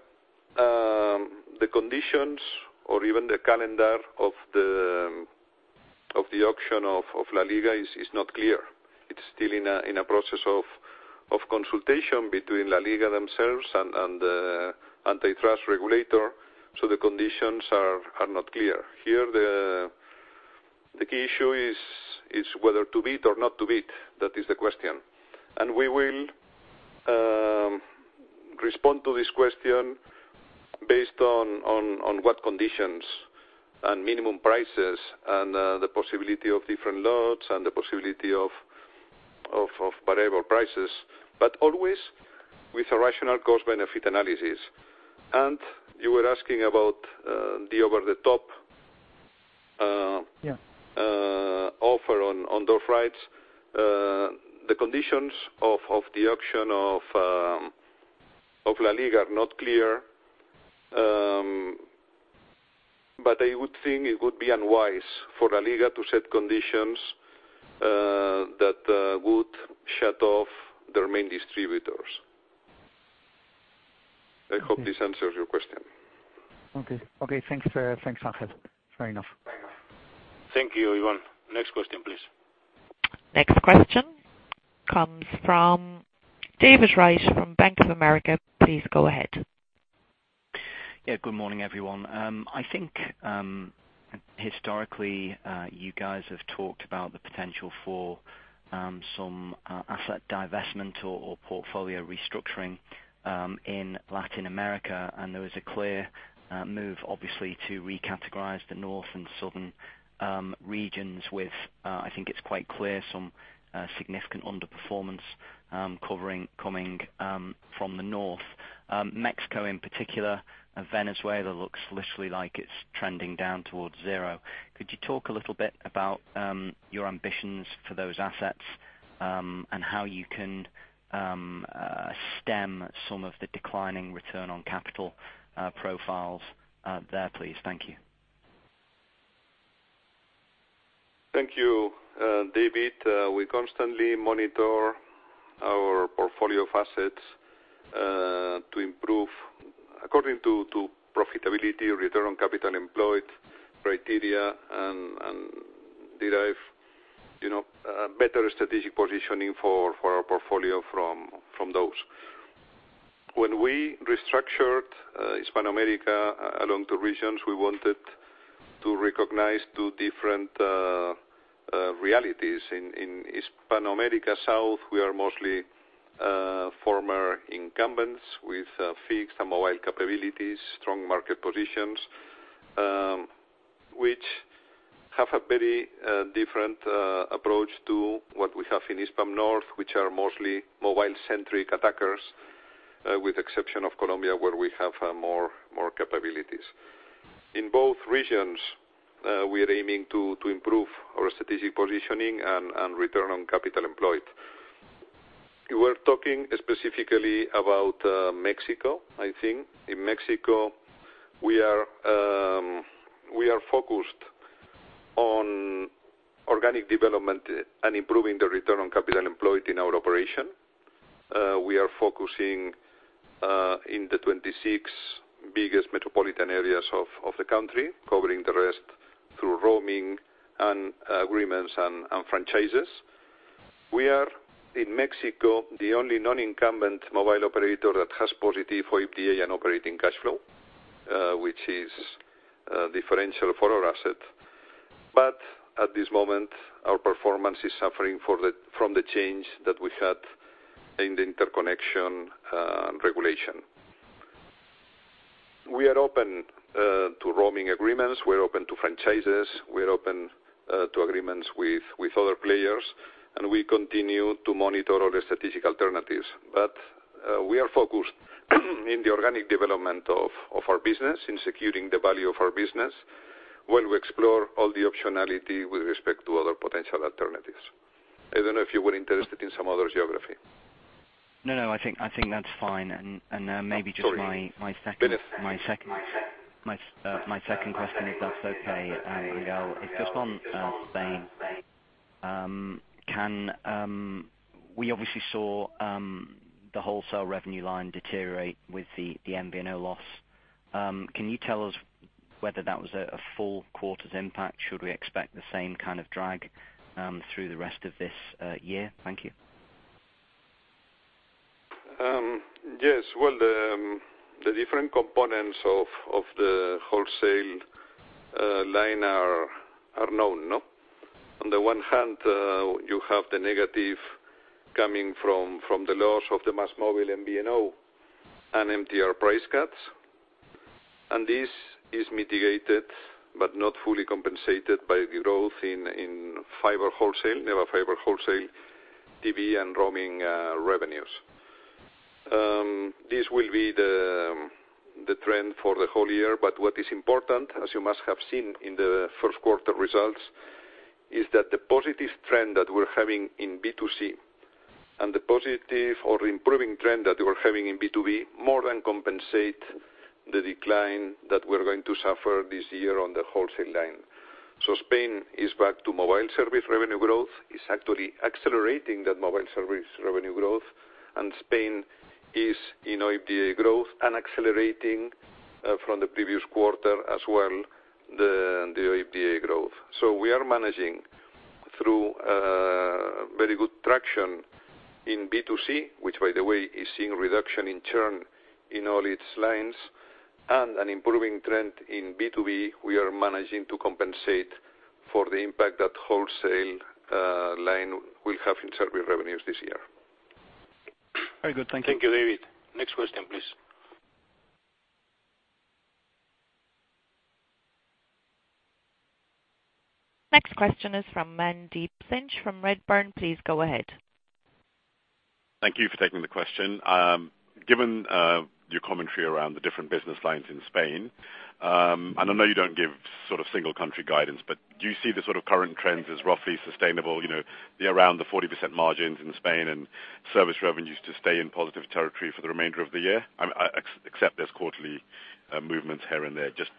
the conditions or even the calendar of the auction of La Liga is not clear. It is still in a process of consultation between La Liga themselves and the antitrust regulator, so the conditions are not clear. Here, the key issue is whether to bid or not to bid. That is the question. We will respond to this question based on what conditions and minimum prices and the possibility of different loads and the possibility of variable prices, but always with a rational cost-benefit analysis. You were asking about the over-the-top-
Yeah
offer on those rights. The conditions of the auction of La Liga are not clear, but I would think it would be unwise for La Liga to set conditions that would shut off their main distributors. I hope this answers your question.
Okay. Thanks, Ángel. Fair enough.
Thank you, Ivan. Next question, please.
Next question comes from David Wright from Bank of America. Please go ahead.
Yeah. Good morning, everyone. I think historically, you guys have talked about the potential for some asset divestment or portfolio restructuring in Latin America, and there was a clear move, obviously, to recategorize the North and Southern regions with, I think it's quite clear, some significant underperformance coming from the North. Mexico in particular, Venezuela looks literally like it's trending down towards zero. Could you talk a little bit about your ambitions for those assets and how you can stem some of the declining return on capital profiles there, please? Thank you.
Thank you, David. We constantly monitor our portfolio of assets to improve according to profitability, return on capital employed criteria, and derive better strategic positioning for our portfolio from those. When we restructured Hispanoamérica along the regions, we wanted to recognize two different realities. In Hispanoamérica South, we are mostly former incumbents with fixed and mobile capabilities, strong market positions, which have a very different approach to what we have in Hispam North, which are mostly mobile-centric attackers, with exception of Colombia, where we have more capabilities. In both regions, we are aiming to improve our strategic positioning and return on capital employed. You were talking specifically about Mexico, I think. In Mexico, we are focused on organic development and improving the return on capital employed in our operation. We are focusing in the 26 biggest metropolitan areas of the country, covering the rest through roaming and agreements and franchises. We are, in Mexico, the only non-incumbent mobile operator that has positive OIBDA and operating cash flow, which is differential for our asset. At this moment, our performance is suffering from the change that we had in the interconnection regulation. We are open to roaming agreements. We're open to franchises. We're open to agreements with other players, and we continue to monitor all the strategic alternatives. We are focused in the organic development of our business, in securing the value of our business, while we explore all the optionality with respect to other potential alternatives. I don't know if you were interested in some other geography.
No, I think that's fine. Sorry. Maybe just my second-
David
My second question, if that's okay, Ángel, is just on Spain. We obviously saw the wholesale revenue line deteriorate with the MVNO loss. Can you tell us whether that was a full quarter's impact? Should we expect the same kind of drag through the rest of this year? Thank you.
Yes. Well, the different components of the wholesale line are known, no? On the one hand, you have the negative coming from the loss of the MásMóvil MVNO and MTR price cuts. This is mitigated but not fully compensated by growth in fiber wholesale, NEBA fiber wholesale, DB, and roaming revenues. This will be the trend for the whole year, but what is important, as you must have seen in the first quarter results, is that the positive trend that we're having in B2C and the positive or improving trend that we're having in B2B, more than compensate the decline that we're going to suffer this year on the wholesale line. Spain is back to mobile service revenue growth. It's actually accelerating that mobile service revenue growth, and Spain is in OIBDA growth and accelerating, from the previous quarter as well, the OIBDA growth. We are managing through very good traction in B2C, which, by the way, is seeing reduction in churn in all its lines and an improving trend in B2B. We are managing to compensate for the impact that wholesale line will have in service revenues this year.
Very good. Thank you.
Thank you, David. Next question, please.
Next question is from Mandeep Singh from Redburn. Please go ahead.
Thank you for taking the question. Given your commentary around the different business lines in Spain, I know you don't give single country guidance, but do you see the sort of current trends as roughly sustainable, the around the 40% margins in Spain and service revenues to stay in positive territory for the remainder of the year? Except there's quarterly movements here and there, just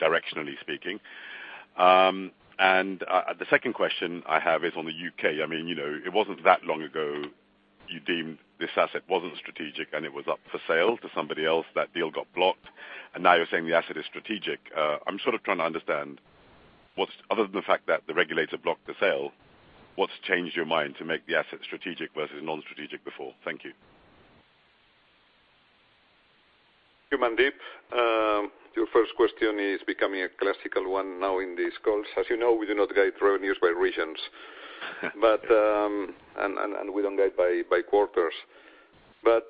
directionally speaking. The second question I have is on the U.K. It wasn't that long ago you deemed this asset wasn't strategic, and it was up for sale to somebody else. That deal got blocked, and now you're saying the asset is strategic. I'm trying to understand, other than the fact that the regulator blocked the sale, what's changed your mind to make the asset strategic versus non-strategic before? Thank you.
Thank you, Mandeep. Your first question is becoming a classical one now in these calls. As you know, we do not guide revenues by regions. We don't guide by quarters.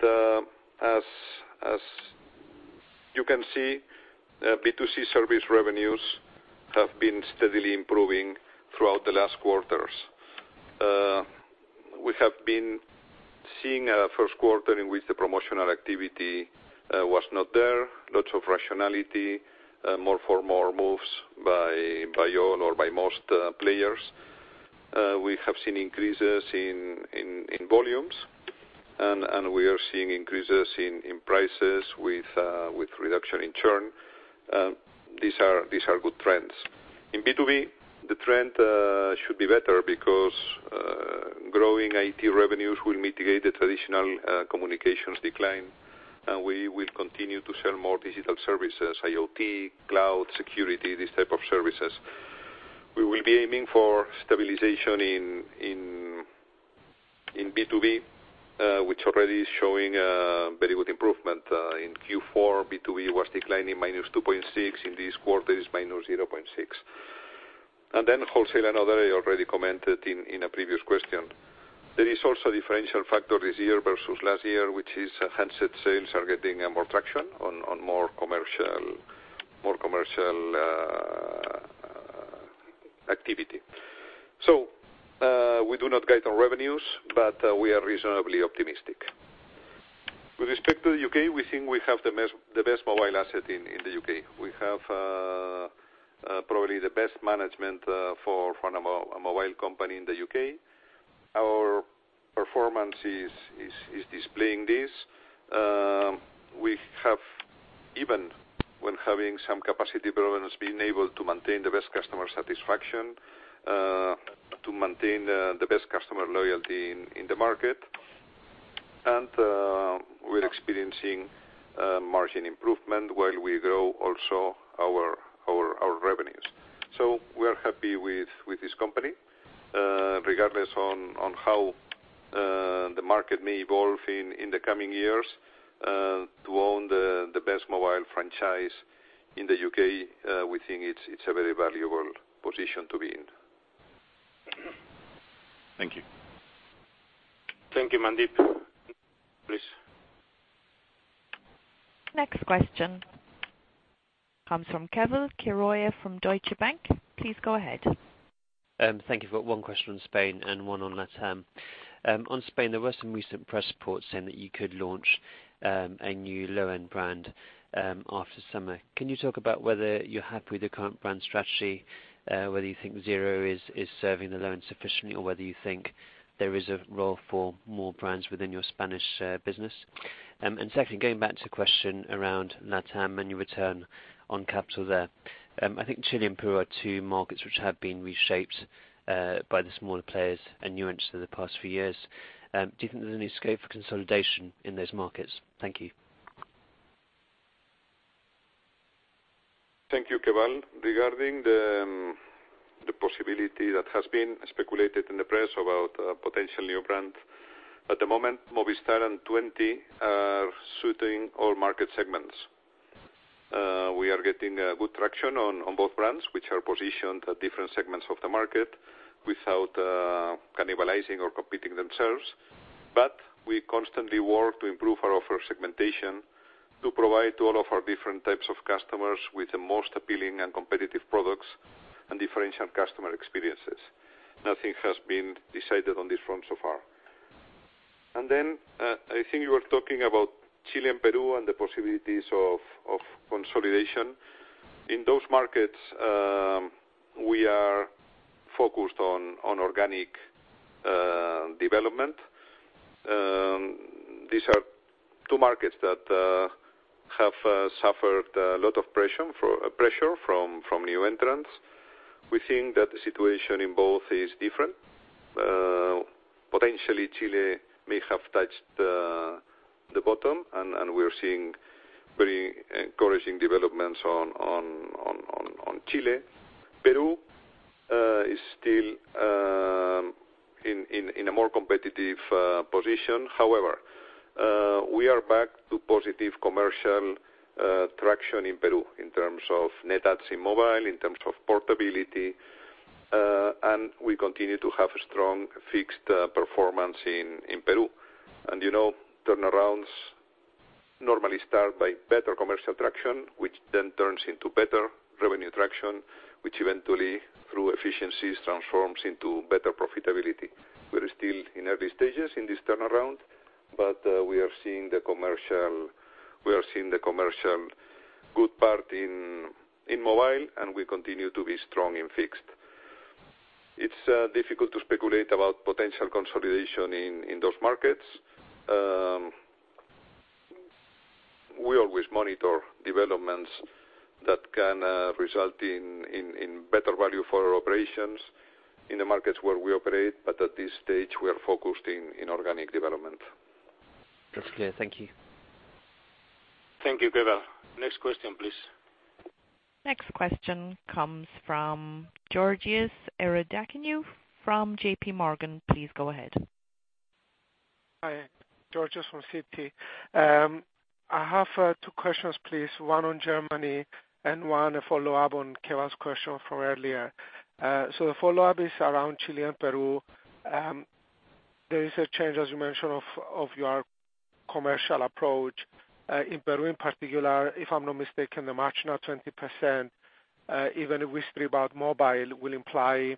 As you can see, B2C service revenues have been steadily improving throughout the last quarters. We have been seeing a first quarter in which the promotional activity was not there, lots of rationality, more for more moves by all or by most players. We have seen increases in volumes. We are seeing increases in prices with reduction in churn. These are good trends. In B2B, the trend should be better because growing IT revenues will mitigate the traditional communications decline, and we will continue to sell more digital services, IoT, cloud, security, this type of services. We will be aiming for stabilization in B2B, which already is showing a very good improvement. In Q4, B2B was declining -2.6%. In this quarter, it's -0.6%. Wholesale and other, I already commented in a previous question. There is also a differential factor this year versus last year, which is handset sales are getting more traction on more commercial activity. We do not guide on revenues, but we are reasonably optimistic. With respect to the U.K., we think we have the best mobile asset in the U.K. We have probably the best management for a mobile company in the U.K. Our performance is displaying this. We have, even when having some capacity problems, been able to maintain the best customer satisfaction, to maintain the best customer loyalty in the market, and we're experiencing margin improvement while we grow also our revenues. We are happy with this company. Regardless on how the market may evolve in the coming years, to own the best mobile franchise in the U.K., we think it's a very valuable position to be in.
Thank you.
Thank you, Mandeep. Please.
Next question comes from Keval Khiroya from Deutsche Bank. Please go ahead.
Thank you. Got one question on Spain and one on LatAm. On Spain, there were some recent press reports saying that you could launch a new low-end brand after summer. Can you talk about whether you're happy with your current brand strategy, whether you think #0 is serving the low-end sufficiently, or whether you think there is a role for more brands within your Spanish business? Secondly, going back to the question around LatAm and your return on capital there. I think Chile and Peru are two markets which have been reshaped by the smaller players and new entrants through the past few years. Do you think there is any scope for consolidation in those markets? Thank you.
Thank you, Keval. Regarding the possibility that has been speculated in the press about a potential new brand. At the moment, Movistar and Tuenti are suiting all market segments. We are getting good traction on both brands, which are positioned at different segments of the market without cannibalizing or competing themselves. We constantly work to improve our offer segmentation to provide to all of our different types of customers with the most appealing and competitive products and differentiate customer experiences. Nothing has been decided on this front so far. I think you were talking about Chile and Peru and the possibilities of consolidation. In those markets, we are focused on organic development. These are two markets that have suffered a lot of pressure from new entrants. We think that the situation in both is different. Potentially, Chile may have touched the bottom, and we're seeing very encouraging developments on Chile. Peru is still in a more competitive position. However, we are back to positive commercial traction in Peru in terms of net adds in mobile, in terms of portability, and we continue to have a strong fixed performance in Peru. Turnarounds normally start by better commercial traction, which then turns into better revenue traction, which eventually, through efficiencies, transforms into better profitability. We're still in early stages in this turnaround, but we are seeing the commercial good part in mobile, and we continue to be strong in fixed. It's difficult to speculate about potential consolidation in those markets. We always monitor developments that can result in better value for our operations in the markets where we operate. At this stage, we are focused in organic development.
That's clear. Thank you.
Thank you, Keval. Next question, please.
Next question comes from Georgios Ierodiaconou from JP Morgan. Please go ahead.
Hi. Georgios from Citi. I have two questions, please, one on Germany and one a follow-up on Keval's question from earlier. The follow-up is around Chile and Peru. There is a change, as you mentioned, of your commercial approach. In Peru in particular, if I'm not mistaken, the margin of 20%, even if we strip out mobile, will imply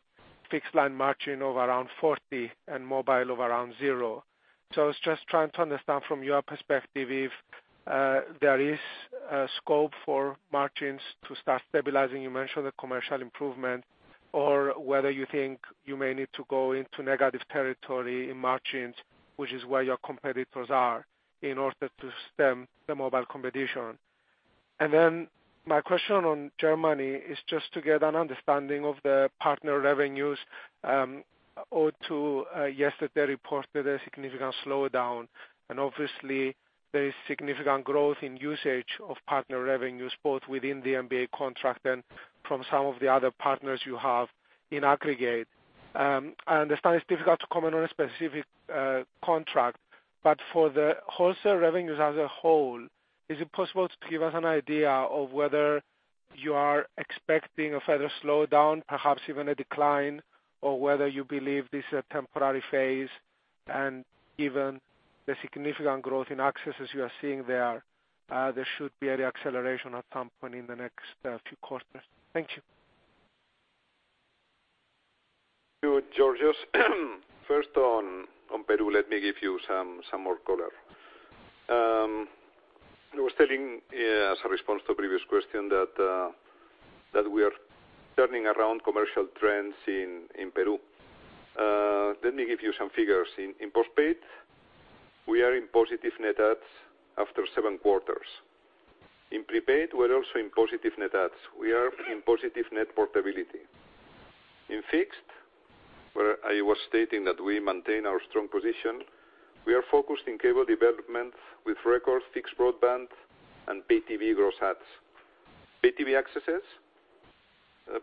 fixed line margin of around 40% and mobile of around 0%. I was just trying to understand from your perspective if There is scope for margins to start stabilizing. You mentioned the commercial improvement, or whether you think you may need to go into negative territory in margins, which is where your competitors are, in order to stem the mobile competition. My question on Germany is just to get an understanding of the partner revenues, O2 yesterday reported a significant slowdown, and obviously there is significant growth in usage of partner revenues, both within the MVNO contract and from some of the other partners you have in aggregate. I understand it's difficult to comment on a specific contract, for the wholesale revenues as a whole, is it possible to give us an idea of whether you are expecting a further slowdown, perhaps even a decline, or whether you believe this is a temporary phase and even the significant growth in accesses you are seeing there should be a re-acceleration at some point in the next few quarters. Thank you.
Sure, Georgios. First on Peru, let me give you some more color. I was telling as a response to a previous question that we are turning around commercial trends in Peru. Let me give you some figures. In postpaid, we are in positive net adds after seven quarters. In prepaid, we are also in positive net adds. We are in positive net portability. In fixed, where I was stating that we maintain our strong position, we are focused in cable development with record fixed broadband and Pay TV gross adds. Pay TV accesses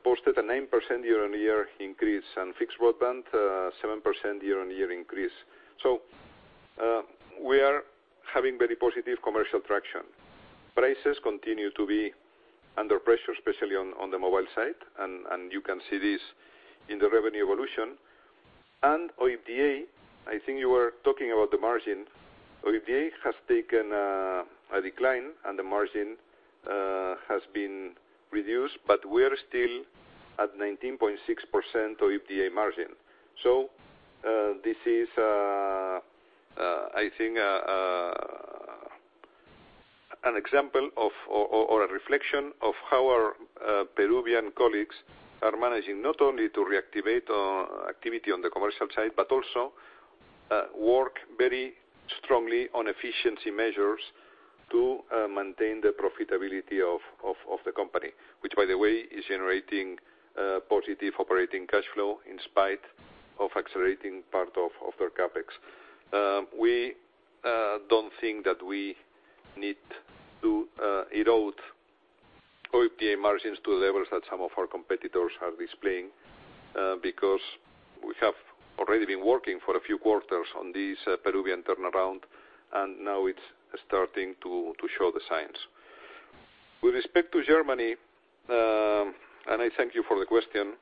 posted a 9% year-on-year increase, and fixed broadband, 7% year-on-year increase. We are having very positive commercial traction. Prices continue to be under pressure, especially on the mobile side, and you can see this in the revenue evolution. OIBDA, I think you were talking about the margin. OIBDA has taken a decline, and the margin has been reduced, but we are still at 19.6% OIBDA margin. This is, I think, an example or a reflection of how our Peruvian colleagues are managing, not only to reactivate activity on the commercial side, but also work very strongly on efficiency measures to maintain the profitability of the company. Which, by the way, is generating positive operating cash flow in spite of accelerating part of their CapEx. We don't think that we need to erode OIBDA margins to levels that some of our competitors are displaying, because we have already been working for a few quarters on this Peruvian turnaround, and now it's starting to show the signs. With respect to Germany, I thank you for the question,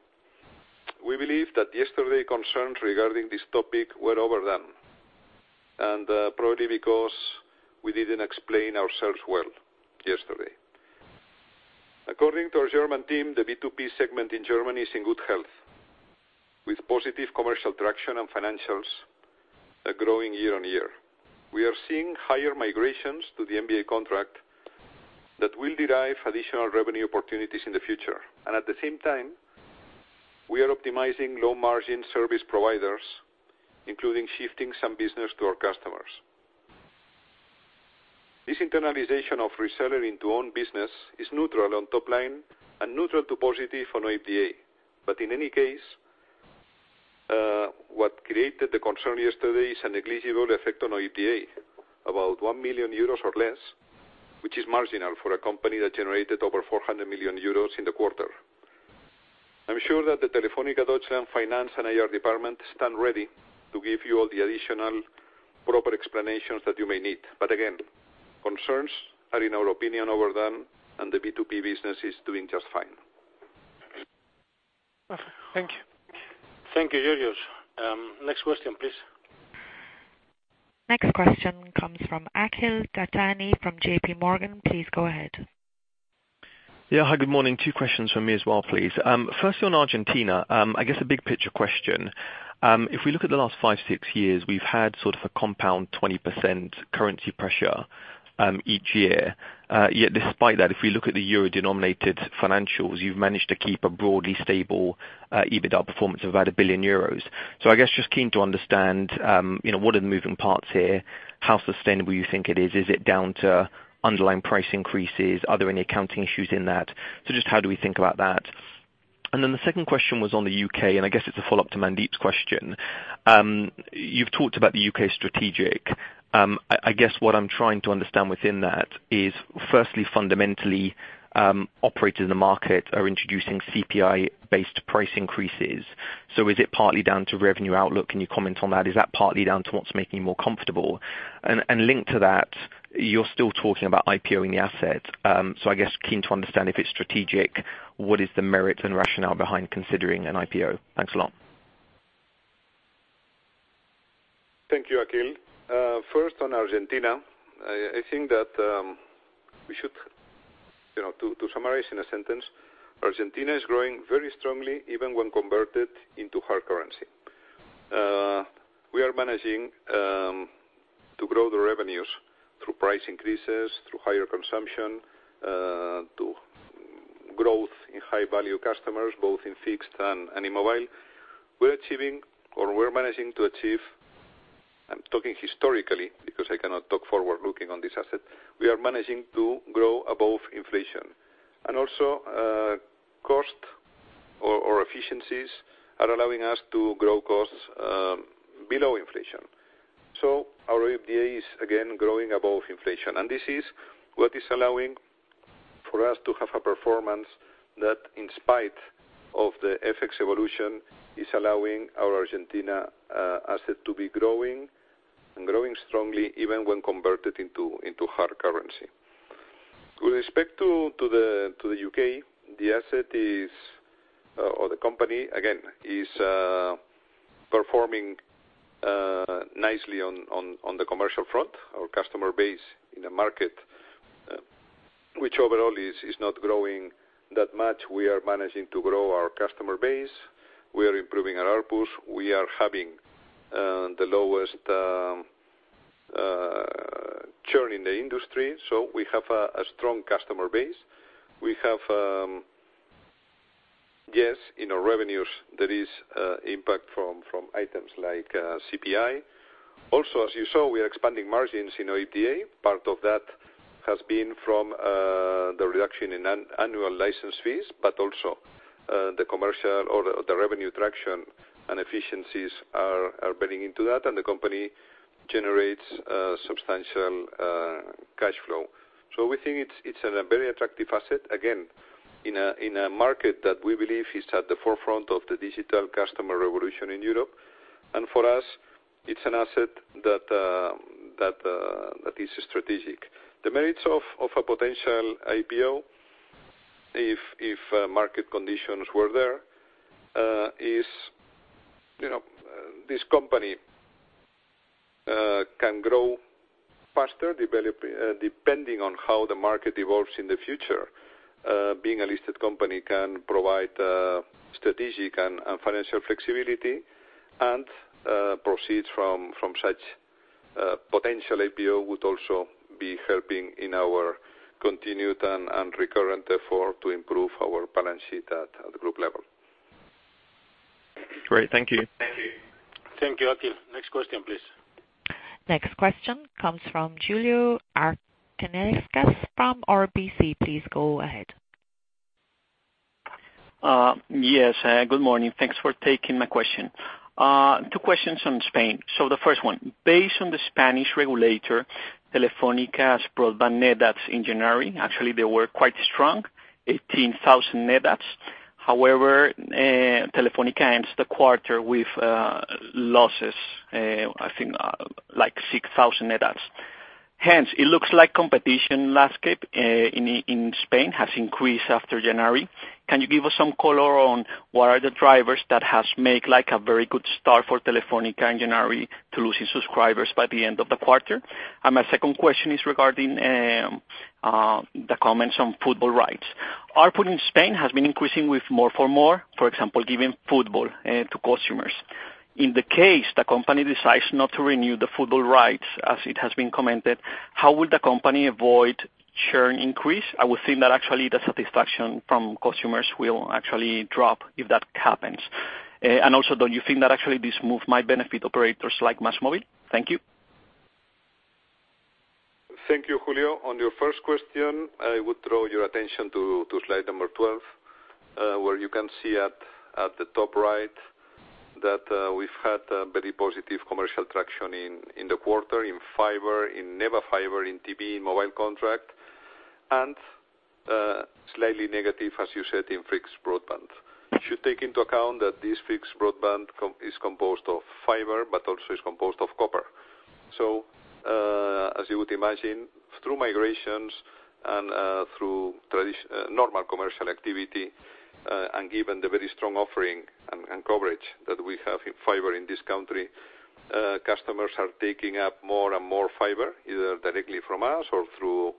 we believe that yesterday concerns regarding this topic were overdone, and probably because we didn't explain ourselves well yesterday. According to our German team, the B2B segment in Germany is in good health, with positive commercial traction and financials growing year-on-year. We are seeing higher migrations to the MBA contract that will derive additional revenue opportunities in the future. At the same time, we are optimizing low-margin service providers, including shifting some business to our customers. This internalization of reselling to own business is neutral on top line and neutral to positive on OIBDA. In any case, what created the concern yesterday is a negligible effect on OIBDA, about 1 million euros or less, which is marginal for a company that generated over 400 million euros in the quarter. I'm sure that the Telefónica Deutschland finance and IR department stand ready to give you all the additional proper explanations that you may need. Again, concerns are, in our opinion, overdone, and the B2B business is doing just fine.
Okay. Thank you.
Thank you, Georgios. Next question, please.
Next question comes from Akhil Dattani from JP Morgan. Please go ahead.
Hi, good morning. 2 questions from me as well, please. Firstly on Argentina, I guess a big picture question. If we look at the last five, six years, we've had sort of a compound 20% currency pressure each year. Yet despite that, if we look at the EUR-denominated financials, you've managed to keep a broadly stable EBITDA performance of about 1 billion euros. I guess just keen to understand, what are the moving parts here, how sustainable you think it is? Is it down to underlying price increases? Are there any accounting issues in that? Just how do we think about that? The second question was on the U.K., and I guess it's a follow-up to Mandeep's question. You've talked about the U.K. strategic. I guess what I'm trying to understand within that is, firstly, fundamentally, operators in the market are introducing CPI-based price increases. Is it partly down to revenue outlook? Can you comment on that? Is that partly down to what's making you more comfortable? Linked to that, you're still talking about IPO in the asset. I guess keen to understand if it's strategic, what is the merit and rationale behind considering an IPO? Thanks a lot.
Thank you, Akhil. First on Argentina, I think that, to summarize in a sentence, Argentina is growing very strongly, even when converted into hard currency. We are managing to grow the revenues through price increases, through higher consumption, to growth in high-value customers, both in fixed and in mobile. We're managing to achieve, I'm talking historically, because I cannot talk forward looking on this asset. We are managing to grow above inflation, and also cost or efficiencies are allowing us to grow costs below inflation. Our EBITDA is again, growing above inflation, and this is what is allowing for us to have a performance that, in spite of the FX evolution, is allowing our Argentina asset to be growing and growing strongly, even when converted into hard currency. With respect to the U.K., the asset or the company, again, is performing nicely on the commercial front. Our customer base in a market which overall is not growing that much. We are managing to grow our customer base. We are improving our ARPU. We are having the lowest churn in the industry. We have a strong customer base. We have, yes, in our revenues, there is impact from items like CPI. As you saw, we are expanding margins in our EBITDA. Part of that has been from the reduction in annual license fees, but also the commercial or the revenue traction and efficiencies are building into that, the company generates substantial cash flow. We think it's a very attractive asset, again, in a market that we believe is at the forefront of the digital customer revolution in Europe. For us, it's an asset that is strategic. The merits of a potential IPO, if market conditions were there, is this company can grow faster, depending on how the market evolves in the future. Being a listed company can provide strategic and financial flexibility, proceeds from such potential IPO would also be helping in our continued and recurrent effort to improve our balance sheet at the group level.
Great. Thank you.
Thank you. Thank you, Akhil. Next question, please.
Next question comes from Julio Arciniegas from RBC. Please go ahead.
Yes, good morning. Thanks for taking my question. Two questions on Spain. The first one, based on the Spanish regulator, Telefónica's broadband net adds in January, actually, they were quite strong, 18,000 net adds. However, Telefónica ends the quarter with losses, I think like 6,000 net adds. Hence, it looks like competition landscape in Spain has increased after January. Can you give us some color on what are the drivers that has make a very good start for Telefónica in January to losing subscribers by the end of the quarter? My second question is regarding the comments on football rights. ARPU in Spain has been increasing with more for more, for example, giving football to customers. In the case the company decides not to renew the football rights, as it has been commented, how would the company avoid churn increase? I would think that actually the satisfaction from customers will actually drop if that happens. Also, don't you think that actually this move might benefit operators like MásMóvil? Thank you.
Thank you, Julio. On your first question, I would draw your attention to slide number 12, where you can see at the top right that we've had a very positive commercial traction in the quarter in fiber, in NEBA fiber, in TV, mobile contract, and slightly negative, as you said, in fixed broadband. You should take into account that this fixed broadband is composed of fiber, but also is composed of copper. As you would imagine, through migrations and through normal commercial activity, and given the very strong offering and coverage that we have in fiber in this country, customers are taking up more and more fiber, either directly from us or through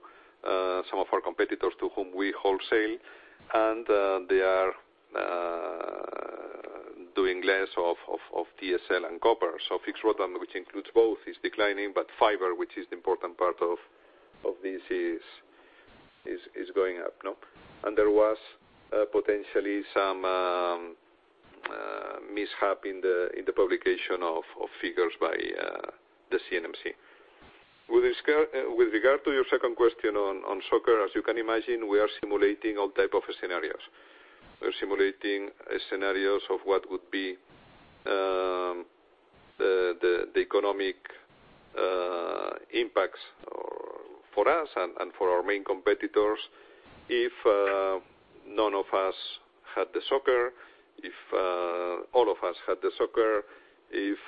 some of our competitors to whom we wholesale, and they are doing less of DSL and copper. Fixed broadband, which includes both, is declining, but fiber, which is the important part of this, is going up. There was potentially some mishap in the publication of figures by the CNMC. With regard to your second question on soccer, as you can imagine, we are simulating all type of scenarios. We're simulating scenarios of what would be the economic impacts for us and for our main competitors if none of us had the soccer, if all of us had the soccer, if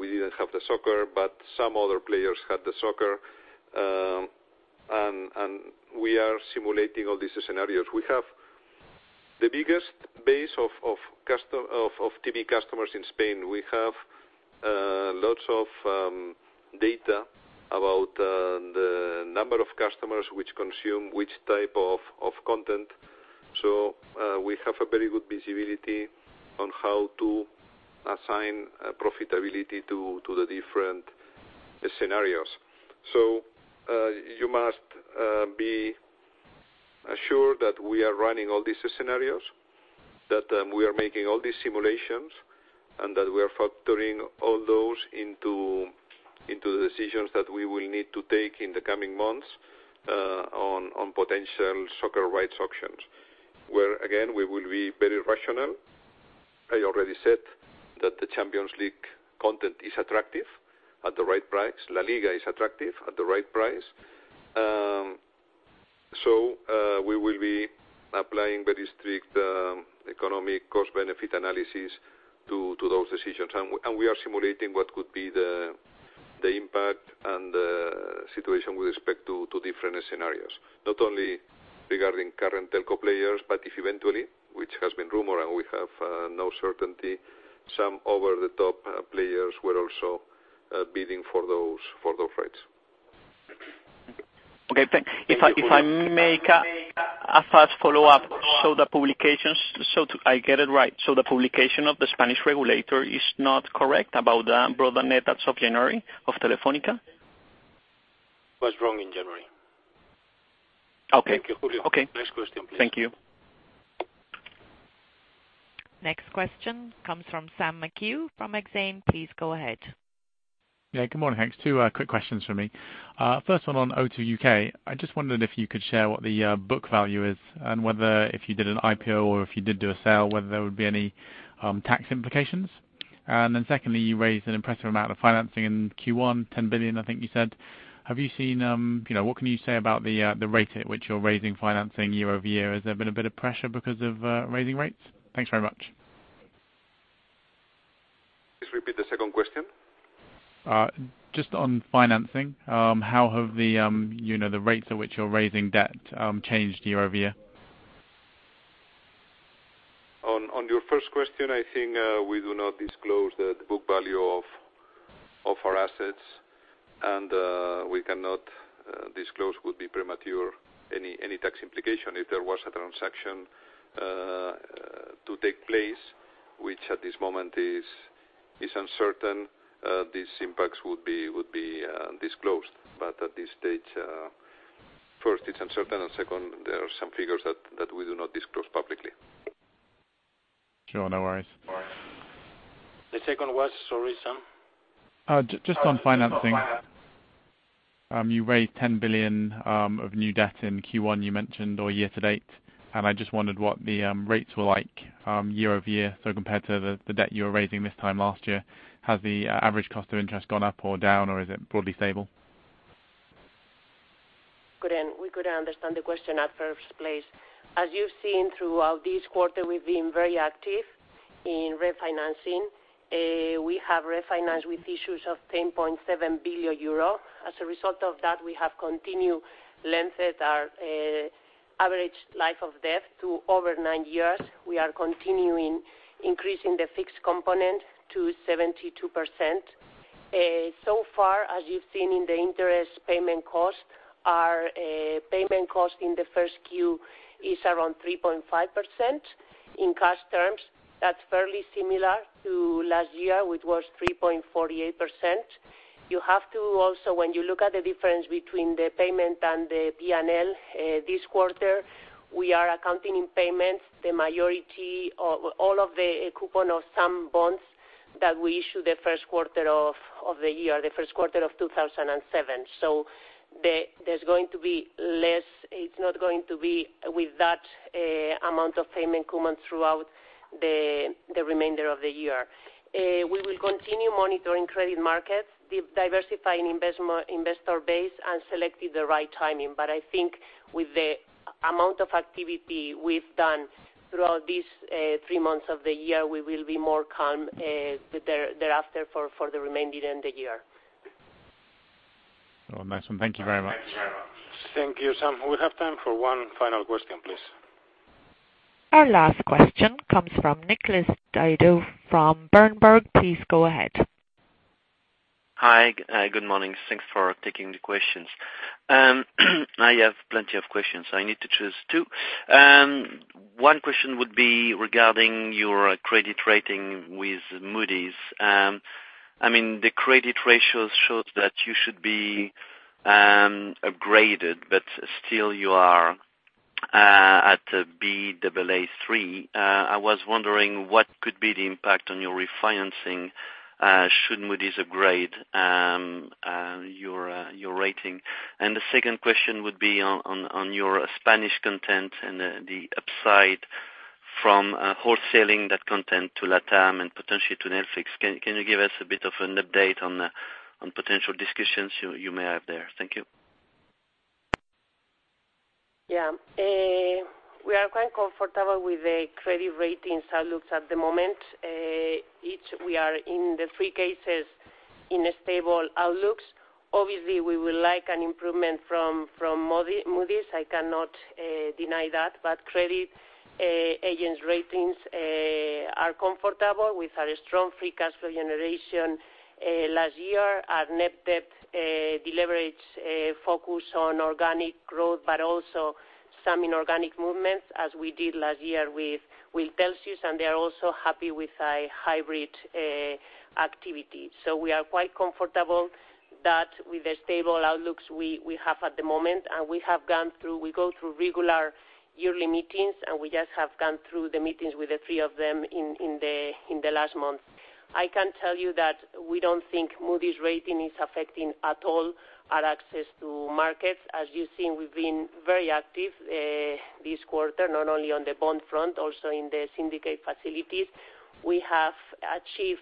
we didn't have the soccer, but some other players had the soccer. We are simulating all these scenarios. The biggest base of TV customers in Spain, we have lots of data about the number of customers which consume which type of content. We have a very good visibility on how to assign profitability to the different scenarios. You must be assured that we are running all these scenarios, that we are making all these simulations, and that we are factoring all those into the decisions that we will need to take in the coming months on potential soccer rights auctions. Where again, we will be very rational. I already said that the Champions League content is attractive at the right price. La Liga is attractive at the right price. We will be applying very strict economic cost-benefit analysis to those decisions. We are simulating what could be the impact and the situation with respect to different scenarios, not only regarding current telco players, but if eventually, which has been rumored, and we have no certainty, some over-the-top players were also bidding for those rights.
Okay, thanks. If I make a fast follow-up, I get it right. The publication of the Spanish regulator is not correct about the broadband net as of January of Telefónica?
Was wrong in January.
Okay. Thank you, Julio.
Okay.
Next question, please. Thank you.
Next question comes from Sam McHugh from Exane. Please go ahead.
Good morning, folks. Two quick questions from me. First one on O2 UK. I just wondered if you could share what the book value is, and whether if you did an IPO or if you did do a sale, whether there would be any tax implications. Secondly, you raised an impressive amount of financing in Q1, 10 billion, I think you said. What can you say about the rate at which you're raising financing year-over-year? Has there been a bit of pressure because of raising rates? Thanks very much.
Please repeat the second question.
Just on financing, how have the rates at which you're raising debt changed year-over-year?
On your first question, I think we do not disclose the book value of our assets, and we cannot disclose, would be premature, any tax implication. If there was a transaction to take place, which at this moment is uncertain, these impacts would be disclosed. At this stage, first, it's uncertain, and second, there are some figures that we do not disclose publicly.
Sure. No worries.
The second was? Sorry, Sam.
Just on financing. You raised 10 billion of new debt in Q1 you mentioned, or year to date, and I just wondered what the rates were like year-over-year. Compared to the debt you were raising this time last year, has the average cost of interest gone up or down, or is it broadly stable?
We couldn't understand the question at first place. As you've seen throughout this quarter, we've been very active in refinancing. We have refinanced with issues of 10.7 billion euro. As a result of that, we have continued lengthened our average life of debt to over nine years. We are continuing increasing the fixed component to 72%. So far, as you've seen in the interest payment cost, our payment cost in the first Q is around 3.5% in cash terms. That's fairly similar to last year, which was 3.48%. You have to also, when you look at the difference between the payment and the P&L this quarter, we are accounting in payments, the majority of all of the coupon of some bonds that we issued the first quarter of the year, the first quarter of 2017. There's going to be less. It's not going to be with that amount of payment coming throughout the remainder of the year. We will continue monitoring credit markets, diversifying investor base, and selecting the right timing. I think with the amount of activity we've done throughout these three months of the year, we will be more calm thereafter for the remainder of the year.
Awesome. Thank you very much.
Thank you, Sam. We have time for one final question, please.
Our last question comes from Nicolas Didio from Berenberg. Please go ahead.
Hi. Good morning. Thanks for taking the questions. I have plenty of questions. I need to choose two. One question would be regarding your credit rating with Moody's. The credit ratios showed that you should be upgraded, but still you are at a Baa3. I was wondering what could be the impact on your refinancing should Moody's upgrade your rating. The second question would be on your Spanish content and the upside from wholesaling that content to LATAM and potentially to Netflix. Can you give us a bit of an update on potential discussions you may have there? Thank you.
Yeah. We are quite comfortable with the credit ratings outlook at the moment. We are in the three cases in stable outlooks. Obviously, we will like an improvement from Moody's, I cannot deny that. Credit agents ratings are comfortable. We've had a strong free cash flow generation last year. Our net debt delivers a focus on organic growth, but also some inorganic movements, as we did last year with Telxius, and they're also happy with a hybrid activity. We are quite comfortable that with the stable outlooks we have at the moment. We go through regular yearly meetings, and we just have gone through the meetings with the three of them in the last month. I can tell you that we don't think Moody's rating is affecting at all our access to markets. As you've seen, we've been very active this quarter, not only on the bond front, also in the syndicate facilities. We have achieved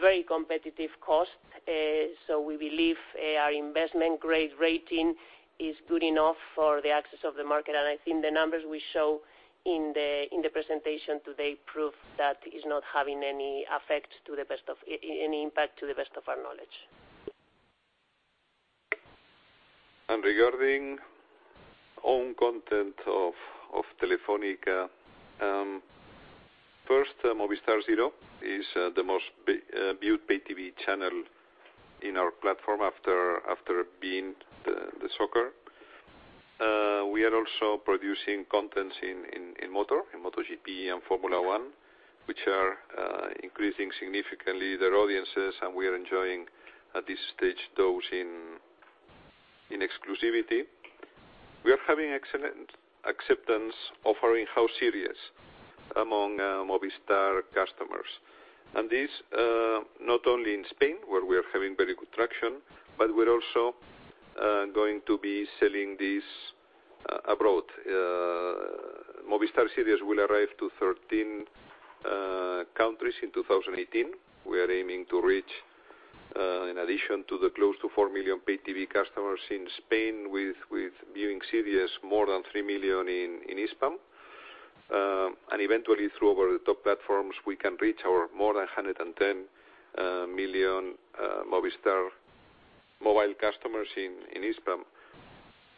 very competitive costs. We believe our investment grade rating is good enough for the access of the market. I think the numbers we show in the presentation today prove that it's not having any impact to the best of our knowledge.
Regarding own content of Telefónica. First, Movistar Cero is the most viewed pay TV channel in our platform after beIN, the soccer. We are also producing contents in motor, in MotoGP and Formula One, which are increasing significantly their audiences, and we are enjoying at this stage those in exclusivity. We are having excellent acceptance of our in-house series among Movistar customers. This, not only in Spain, where we are having very good traction, but we're also going to be selling this abroad. Movistar Series will arrive to 13 countries in 2018. We are aiming to reach, in addition to the close to 4 million pay TV customers in Spain with viewing series, more than 3 million in Hispam. Eventually through our top platforms, we can reach our more than 110 million Movistar mobile customers in Hispam.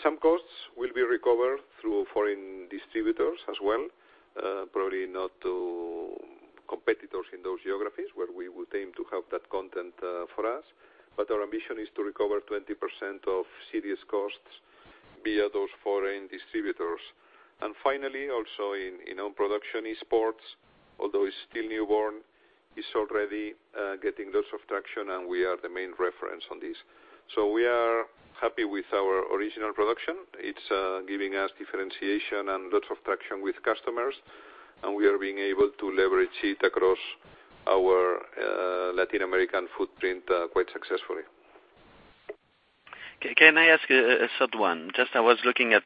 Some costs will be recovered through foreign distributors as well, probably not to competitors in those geographies where we would aim to have that content for us. Our ambition is to recover 20% of serious costs via those foreign distributors. Finally, also in own production, esports, although it's still newborn, is already getting lots of traction, and we are the main reference on this. We are happy with our original production. It's giving us differentiation and lots of traction with customers, and we are being able to leverage it across our Latin American footprint quite successfully.
Can I ask a third one? Just I was looking at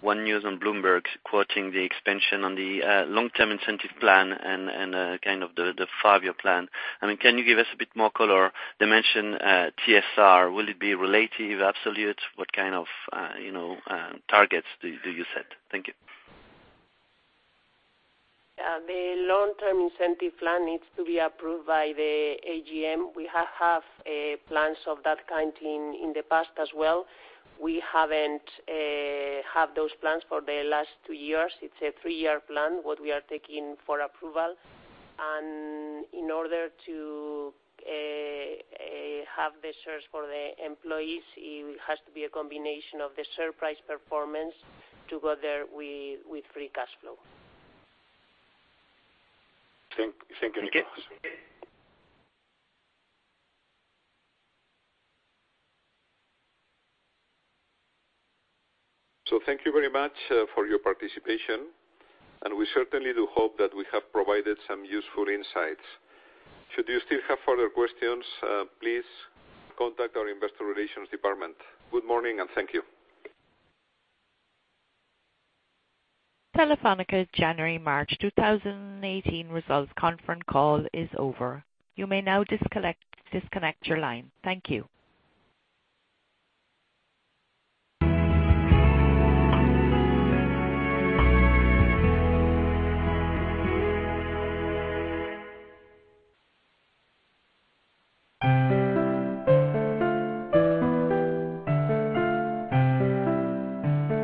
one news on Bloomberg quoting the expansion on the long-term incentive plan and the five-year plan. Can you give us a bit more color? They mention TSR. Will it be relative, absolute? What kind of targets do you set? Thank you.
The long-term incentive plan needs to be approved by the AGM. We have had plans of that kind in the past as well. We haven't had those plans for the last two years. It's a three-year plan, what we are taking for approval. In order to have the shares for the employees, it has to be a combination of the share price performance together with free cash flow.
Thank you, Nicolas. Thank you very much for your participation, and we certainly do hope that we have provided some useful insights. Should you still have further questions, please contact our investor relations department. Good morning, and thank you.
Telefónica January-March 2018 results conference call is over. You may now disconnect your line. Thank you.